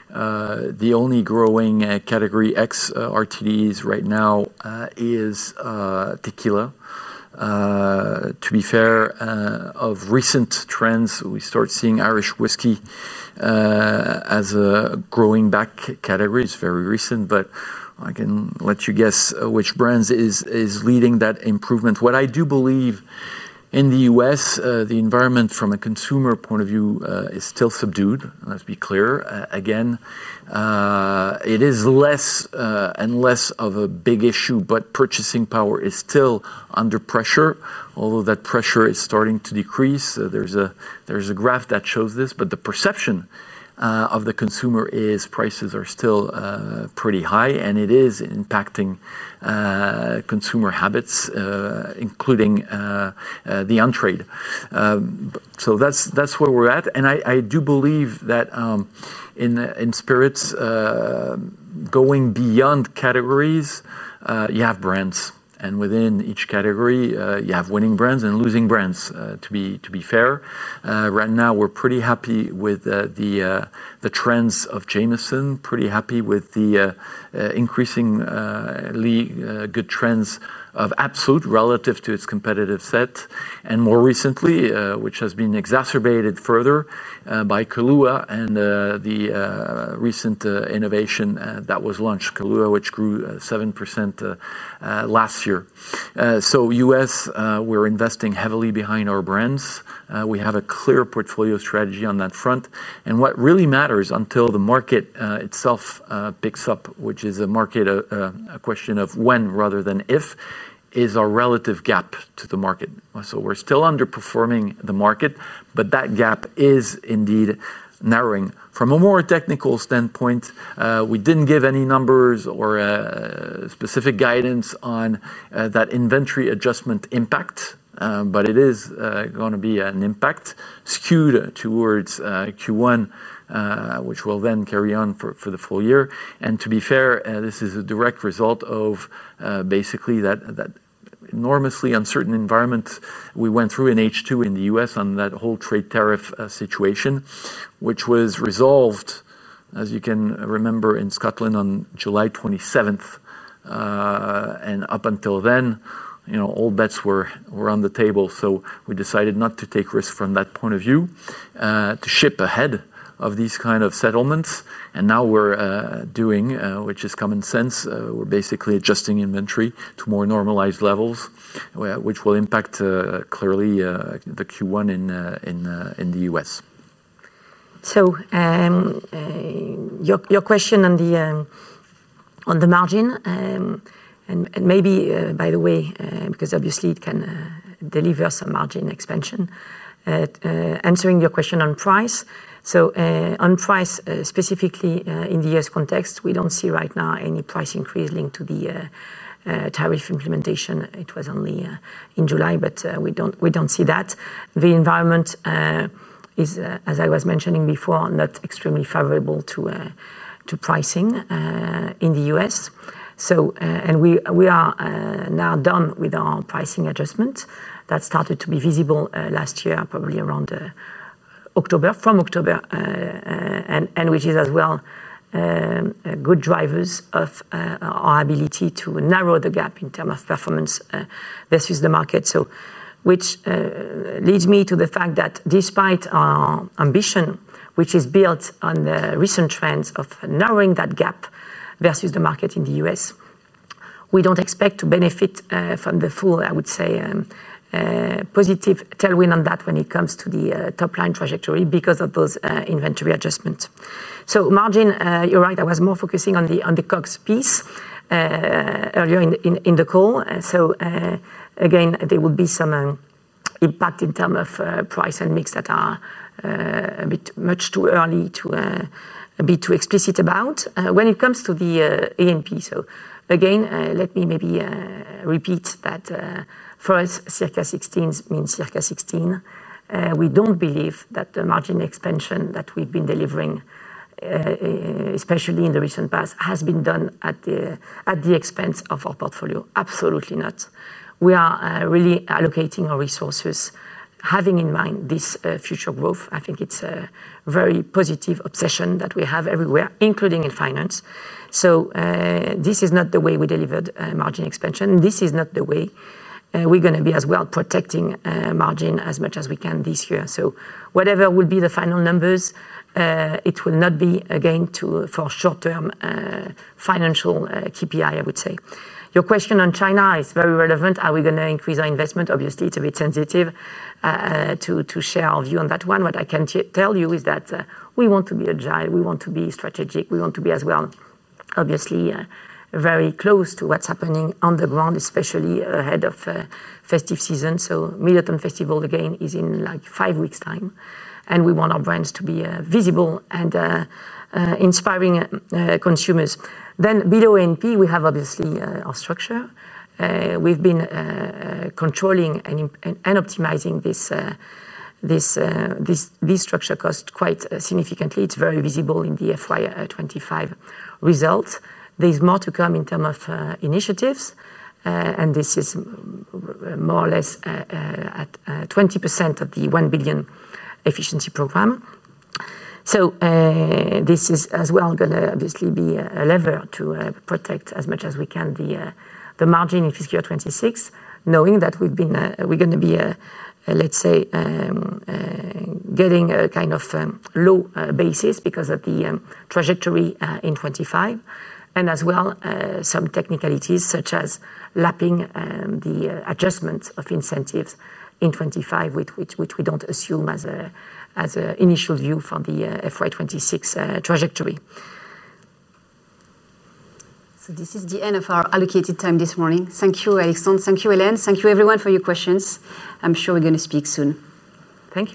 The only growing category X RTDs right now is tequila. To be fair, of recent trends, we start seeing Irish whiskey as a growing back category. It's very recent, but I can let you guess which brand is leading that improvement. What I do believe in the U.S., the environment from a consumer point of view is still subdued. Let's be clear. It is less and less of a big issue, but purchasing power is still under pressure, although that pressure is starting to decrease. There's a graph that shows this, but the perception of the consumer is prices are still pretty high and it is impacting consumer habits, including the on-trade. That's where we're at. I do believe that in spirits, going beyond categories, you have brands. Within each category, you have winning brands and losing brands, to be fair. Right now, we're pretty happy with the trends of Jameson. Pretty happy with the increasingly good trends of Absolut relative to its competitive set. More recently, which has been exacerbated further by Kahlúa and the recent innovation that was launched, Kahlúa, which grew 7% last year. U.S., we're investing heavily behind our brands. We have a clear portfolio strategy on that front. What really matters until the market itself picks up, which is a market, a question of when rather than if, is our relative gap to the market. We're still underperforming the market, but that gap is indeed narrowing. From a more technical standpoint, we didn't give any numbers or specific guidance on that inventory adjustment impact, but it is going to be an impact skewed towards Q1, which will then carry on for the full year. To be fair, this is a direct result of basically that enormously uncertain environment we went through in H2 in the U.S. on that whole trade tariff situation, which was resolved, as you can remember, in Scotland on July 27, 2023. Up until then, all bets were on the table. We decided not to take risks from that point of view to ship ahead of these kinds of settlements. Now we're doing what is common sense. We're basically adjusting inventory to more normalized levels, which will impact clearly the Q1 in the U.S. Your question on the margin, and maybe by the way, because obviously it can deliver some margin expansion, answering your question on price. On price, specifically in the U.S. context, we don't see right now any price increase linked to the tariff implementation. It was only in July, but we don't see that. The environment is, as I was mentioning before, not extremely favorable to pricing in the U.S. We are now done with our pricing adjustment that started to be visible last year, probably around October, from October, and which is as well good drivers of our ability to narrow the gap in terms of performance versus the market. This leads me to the fact that despite our ambition, which is built on the recent trends of narrowing that gap versus the market in the U.S., we don't expect to benefit from the full, I would say, positive tailwind on that when it comes to the top-line trajectory because of those inventory adjustments. Margin, you're right. I was more focusing on the on the COGS piece earlier in the call. Again, there will be some impact in terms of price and mix that are a bit much too early to be too explicit about when it comes to the A&P. Let me maybe repeat that for us, circa 16 means circa 16. We don't believe that the margin expansion that we've been delivering, especially in the recent past, has been done at the expense of our portfolio. Absolutely not. We are really allocating our resources, having in mind this future growth. I think it's a very positive obsession that we have everywhere, including in finance. This is not the way we delivered margin expansion. This is not the way we're going to be as well protecting margin as much as we can this year. Whatever will be the final numbers, it will not be, again, for short-term financial KPI, I would say. Your question on China is very relevant. Are we going to increase our investment? Obviously, it's a bit sensitive to share our view on that one. What I can tell you is that we want to be agile. We want to be strategic. We want to be as well, obviously, very close to what's happening on the ground, especially ahead of festive season. Milton Festival, again, is in like five weeks' time. We want our brands to be visible and inspiring consumers. Below A&P, we have obviously our structure. We've been controlling and optimizing this structure cost quite significantly. It's very visible in the FY 2025 results. There's more to come in terms of initiatives. This is more or less at 20% of the $1 billion efficiency program. This is also going to obviously be a lever to protect as much as we can the margin in fiscal year 2026, knowing that we're going to be, let's say, getting a kind of low basis because of the trajectory in 2025. There are also some technicalities such as lapping the adjustment of incentives in 2025, which we don't assume as an initial view for the FY 2026 trajectory. This is the end of our allocated time this morning. Thank you, Alexandre. Thank you, Helene. Thank you, everyone, for your questions. I'm sure we're going to speak soon. Thank you.